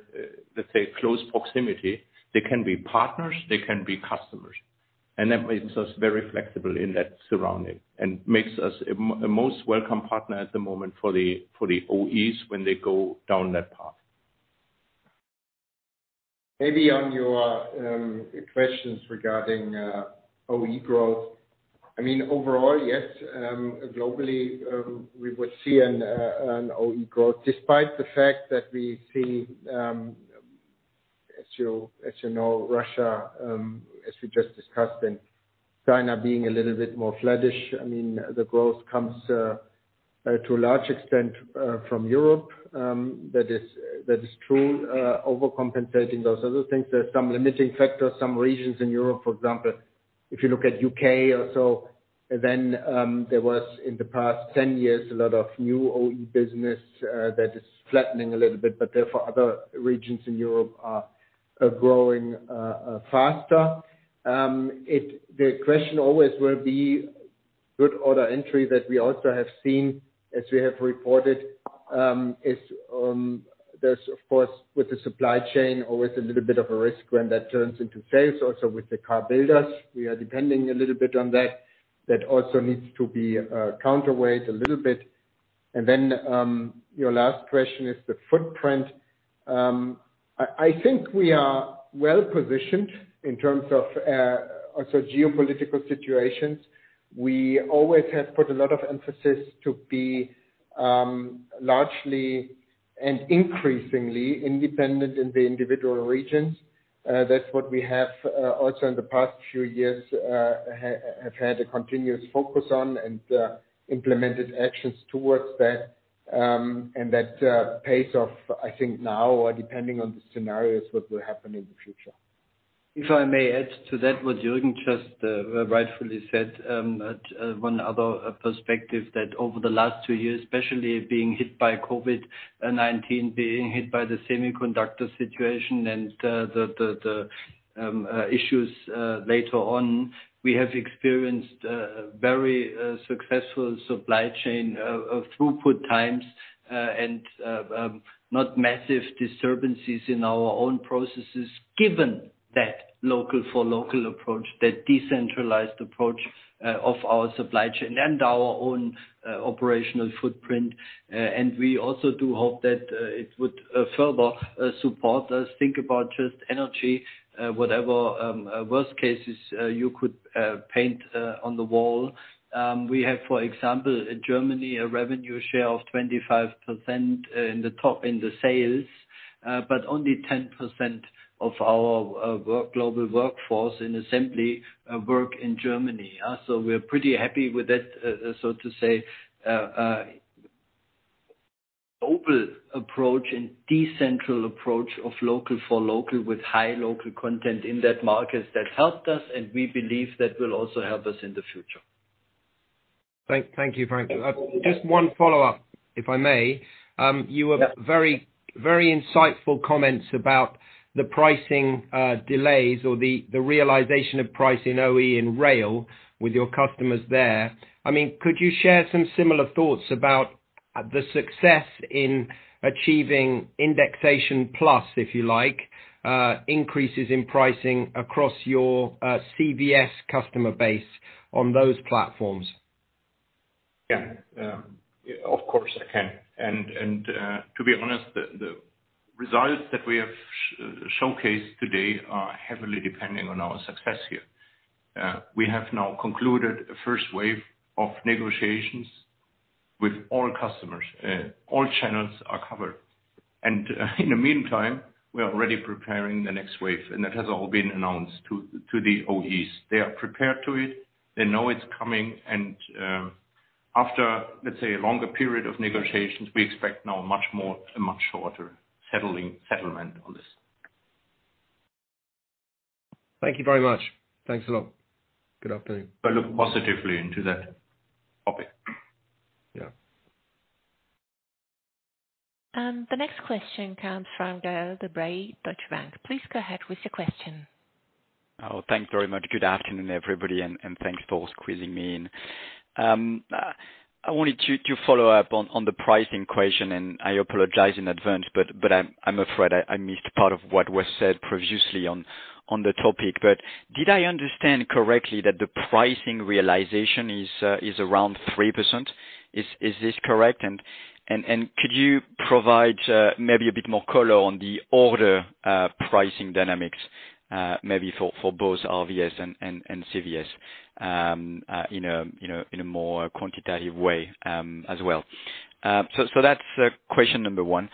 let's say, close proximity. They can be partners, they can be customers. That makes us very flexible in that surrounding and makes us a most welcome partner at the moment for the OEs when they go down that path. Maybe on your questions regarding OE growth. I mean, overall, yes, globally, we would see an OE growth, despite the fact that we see, as you know, Russia, as we just discussed, and China being a little bit more flattish. I mean, the growth comes to a large extent from Europe. That is true, overcompensating those other things. There's some limiting factors. Some regions in Europe, for example, if you look at U.K. or so, then there was in the past 10 years a lot of new OE business that is flattening a little bit. Therefore, other regions in Europe are growing faster. The question always will be good order entry that we also have seen as we have reported, is, there's of course with the supply chain always a little bit of a risk when that turns into sales. Also with the car builders, we are depending a little bit on that. That also needs to be counterweighed a little bit. Your last question is the footprint. I think we are well-positioned in terms of also geopolitical situations. We always have put a lot of emphasis to be largely and increasingly independent in the individual regions. That's what we have also in the past few years have had a continuous focus on and implemented actions towards that. That pace of, I think now, depending on the scenarios, what will happen in the future. If I may add to that what Jürgen just rightfully said, one other perspective that over the last two years, especially being hit by COVID-19, being hit by the semiconductor situation and the issues later on, we have experienced very successful supply chain throughput times and not massive disturbances in our own processes, given that local for local approach, that decentralized approach of our supply chain and our own operational footprint. We also do hope that it would further support us think about just energy, whatever worst cases you could paint on the wall. We have, for example, in Germany, a revenue share of 25% in the top in the sales, but only 10% of our worldwide workforce in assembly work in Germany. We're pretty happy with that, so to say, global approach and decentralized approach of local for local with high local content in that market that helped us, and we believe that will also help us in the future. Thank you, Frank. Just one follow-up, if I may. Yeah. Very, very insightful comments about the pricing, delays or the realization of price in OE and Rail with your customers there. I mean, could you share some similar thoughts about the success in achieving indexation plus, if you like, increases in pricing across your CVS customer base on those platforms? Yeah. Of course, I can. To be honest, the results that we have showcased today are heavily depending on our success here. We have now concluded a first wave of negotiations with all customers. All channels are covered. In the meantime, we are already preparing the next wave, and that has all been announced to the OEs. They are prepared to it. They know it's coming. After, let's say, a longer period of negotiations, we expect now much more, a much shorter settlement on this. Thank you very much. Thanks a lot. Good afternoon. I look positively into that topic. Yeah. The next question comes from Gael de-Bray, Deutsche Bank. Please go ahead with your question. Oh, thanks very much. Good afternoon, everybody, and thanks for squeezing me in. I wanted to follow up on the pricing question, and I apologize in advance, but I'm afraid I missed part of what was said previously on the topic. Did I understand correctly that the pricing realization is around 3%? Is this correct? Could you provide maybe a bit more color on the order pricing dynamics, maybe for both RVS and CVS, in a more quantitative way, as well? That's question number one.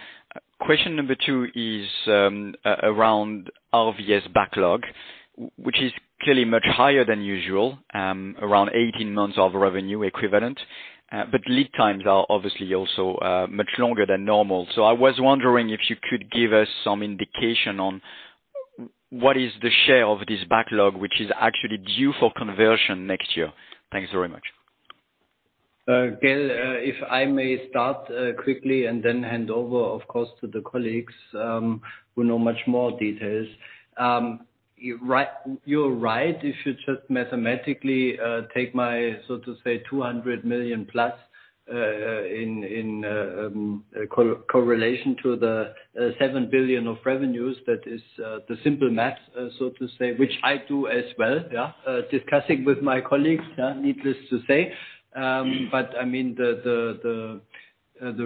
Question number two is around RVS backlog, which is clearly much higher than usual, around 18 months of revenue equivalent. Lead times are obviously also much longer than normal. I was wondering if you could give us some indication on what is the share of this backlog, which is actually due for conversion next year. Thanks very much. Gael, if I may start quickly and then hand over, of course, to the colleagues who know much more details. You're right. If you just mathematically take my, so to say, 200 million+ in correlation to the 7 billion of revenues, that is the simple math, so to say, which I do as well. Yeah. Discussing with my colleagues, needless to say. I mean, the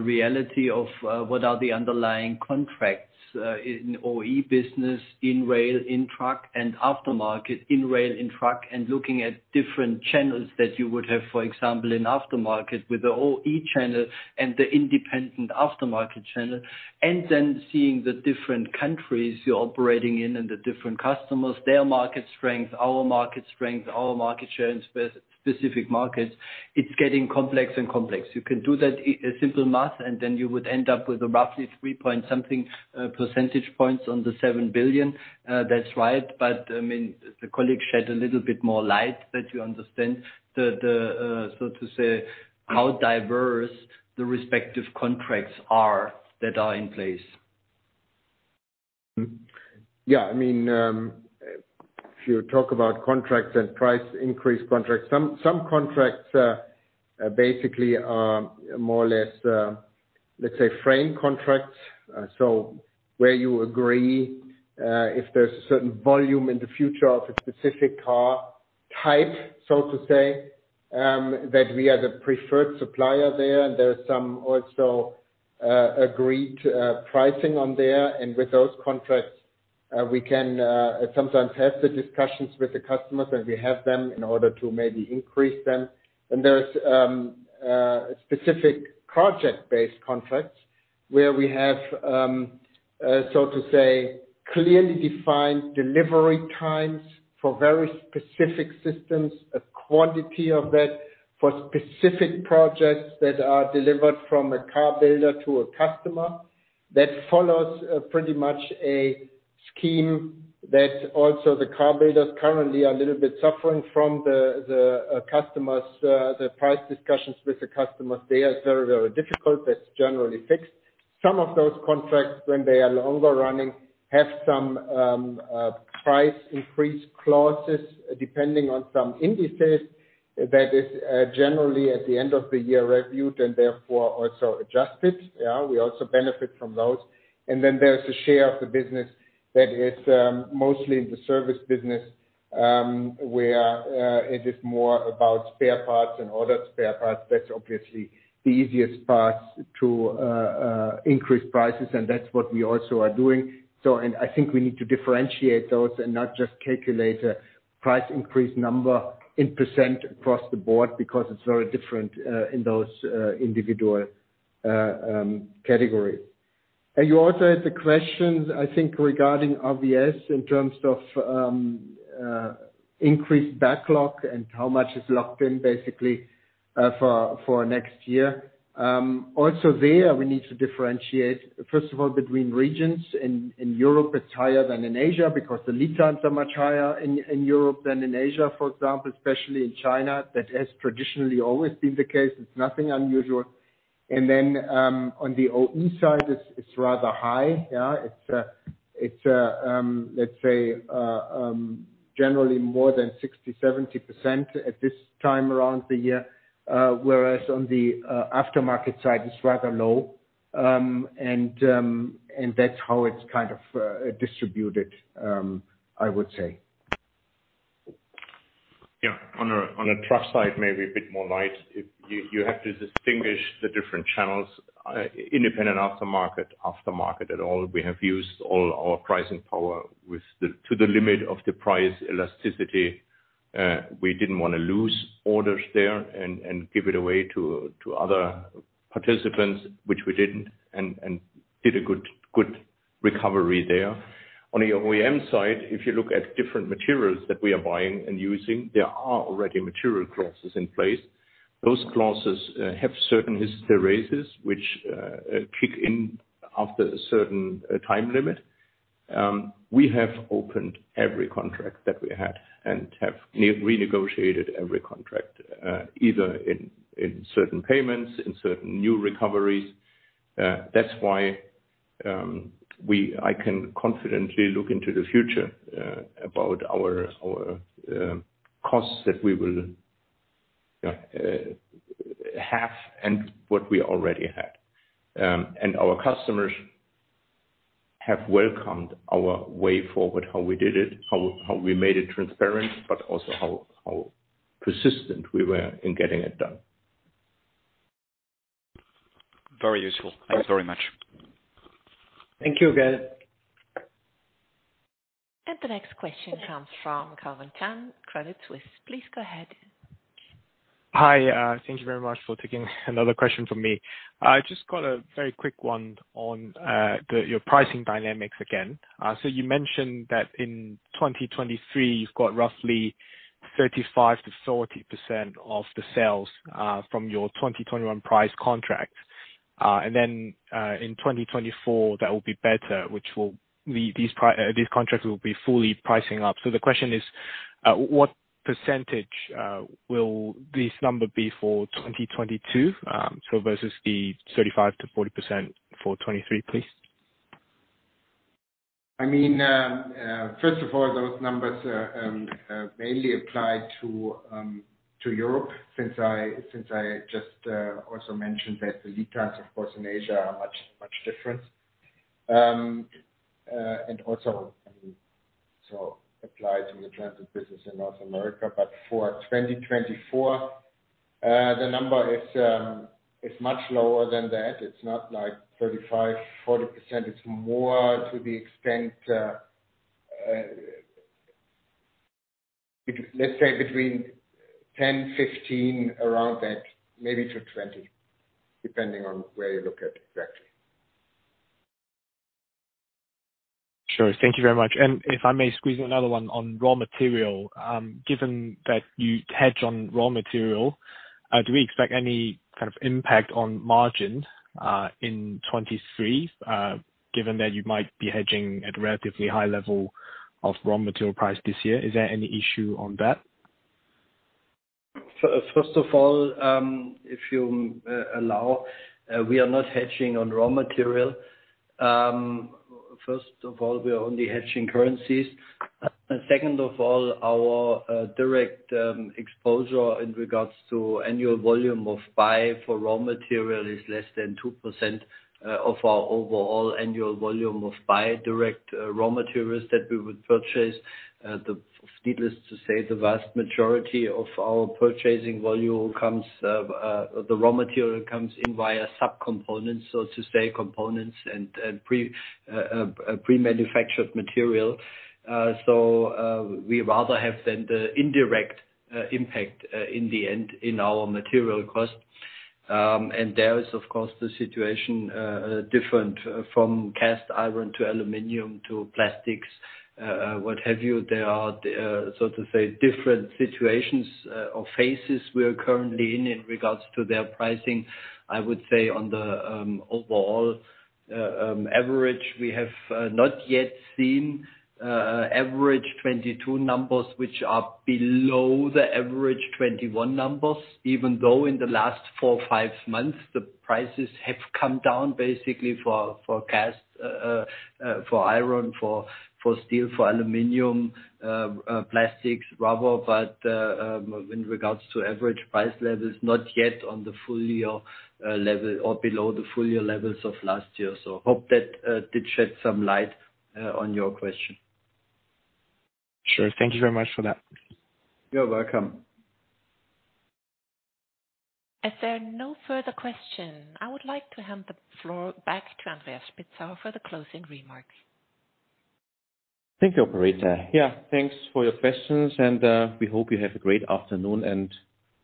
reality of what are the underlying contracts in OE business, in Rail, in Truck, and aftermarket in Rail, in Truck, and looking at different channels that you would have, for example, in aftermarket with the OE channel and the independent aftermarket channel, and then seeing the different countries you're operating in and the different customers, their market strength, our market strength, our market share in specific markets, it's getting complex. You can do that simple math, and then you would end up with a roughly 3-point-something percentage points on the 7 billion. That's right. I mean, the colleague shed a little bit more light that you understand the, so to say, how diverse the respective contracts are that are in place. Yeah, I mean, if you talk about contracts and price increase contracts, some contracts basically are more or less, let's say frame contracts. Where you agree, if there's certain volume in the future of a specific car type, so to say, that we are the preferred supplier there, and there's some also agreed pricing on there. With those contracts, we can sometimes have the discussions with the customers, and we have them in order to maybe increase them. There's specific project-based contracts where we have, so to say, clearly defined delivery times for very specific systems, a quantity of that for specific projects that are delivered from a car builder to a customer. That follows pretty much a scheme that also the car builders currently are a little bit suffering from the price discussions with the customers. They are very, very difficult. That's generally fixed. Some of those contracts, when they are longer running, have some price increase clauses depending on some indices that is generally at the end of the year reviewed and therefore also adjusted. Yeah, we also benefit from those. There's a share of the business that is mostly in the service business where it is more about spare parts and ordered spare parts. That's obviously the easiest parts to increase prices, and that's what we also are doing. I think we need to differentiate those and not just calculate a price increase number in percent across the board because it's very different in those individual categories. You also had the questions, I think, regarding RVS in terms of increased backlog and how much is locked in basically for next year. We need to differentiate, first of all, between regions. In Europe, it's higher than in Asia because the lead times are much higher in Europe than in Asia, for example, especially in China. That has traditionally always been the case. It's nothing unusual. Then, on the OE side, it's rather high, yeah. It's, let's say, generally more than 60%-70% at this time around the year, whereas on the aftermarket side, it's rather low. That's how it's kind of distributed, I would say. Yeah. On the truck side, maybe a bit more lightly. You have to distinguish the different channels. Independent aftermarket as well, we have used all our pricing power to the limit of the price elasticity. We didn't wanna lose orders there and give it away to other participants, which we didn't, and did a good recovery there. On the OEM side, if you look at different materials that we are buying and using, there are already material clauses in place. Those clauses have certain historic raises, which kick in after a certain time limit. We have opened every contract that we had and have renegotiated every contract, either in certain payments, in certain new recoveries. That's why I can confidently look into the future about our costs that we will have and what we already have. Our customers have welcomed our way forward, how we did it, how we made it transparent, but also how persistent we were in getting it done. Very useful. Thanks very much. Thank you, Gael de-Bray. The next question comes from Calvin Tan, Credit Suisse. Please go ahead. Hi. Thank you very much for taking another question from me. I just got a very quick one on your pricing dynamics again. You mentioned that in 2023, you've got roughly 35%-40% of the sales from your 2021 price contract. In 2024, that will be better, which will be these contracts will be fully pricing up. The question is, what percentage will this number be for 2022, so versus the 35%-40% for 2023, please? I mean, first of all, those numbers mainly apply to Europe since I just also mentioned that the lead times, of course, in Asia are much different. They also apply to the transit business in North America. For 2024, the number is much lower than that. It's not like 35%-40%. It's more to the extent, let's say between 10%-15%, around that, maybe to 20%, depending on where you look at exactly. Sure. Thank you very much. If I may squeeze another one on raw material, given that you hedge on raw material, do we expect any kind of impact on margin in 2023, given that you might be hedging at a relatively high level of raw material price this year? Is there any issue on that? First of all, if you allow, we are not hedging on raw material. First of all, we are only hedging currencies. Second of all, our direct exposure in regards to annual volume of buy for raw material is less than 2% of our overall annual volume of buy direct raw materials that we would purchase. Needless to say, the vast majority of our purchasing volume comes, the raw material comes in via sub-components, so to say, components and pre-manufactured material. We rather have then the indirect impact in the end in our material cost. There is, of course, the situation different from cast iron to aluminum to plastics, what have you. There are, so to say, different situations or phases we are currently in in regards to their pricing. I would say on the overall average, we have not yet seen average 2022 numbers which are below the average 2021 numbers, even though in the last four, five months, the prices have come down basically for cast iron, for steel, for aluminum, plastics, rubber. In regards to average price levels, not yet on the full year level or below the full year levels of last year. Hope that did shed some light on your question. Sure. Thank you very much for that. You're welcome. As there are no further questions, I would like to hand the floor back to Andreas Spitzauer for the closing remarks. Thank you, operator. Yeah, thanks for your questions and, we hope you have a great afternoon and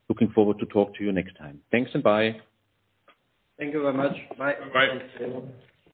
looking forward to talk to you next time. Thanks and bye. Thank you very much. Bye. Bye.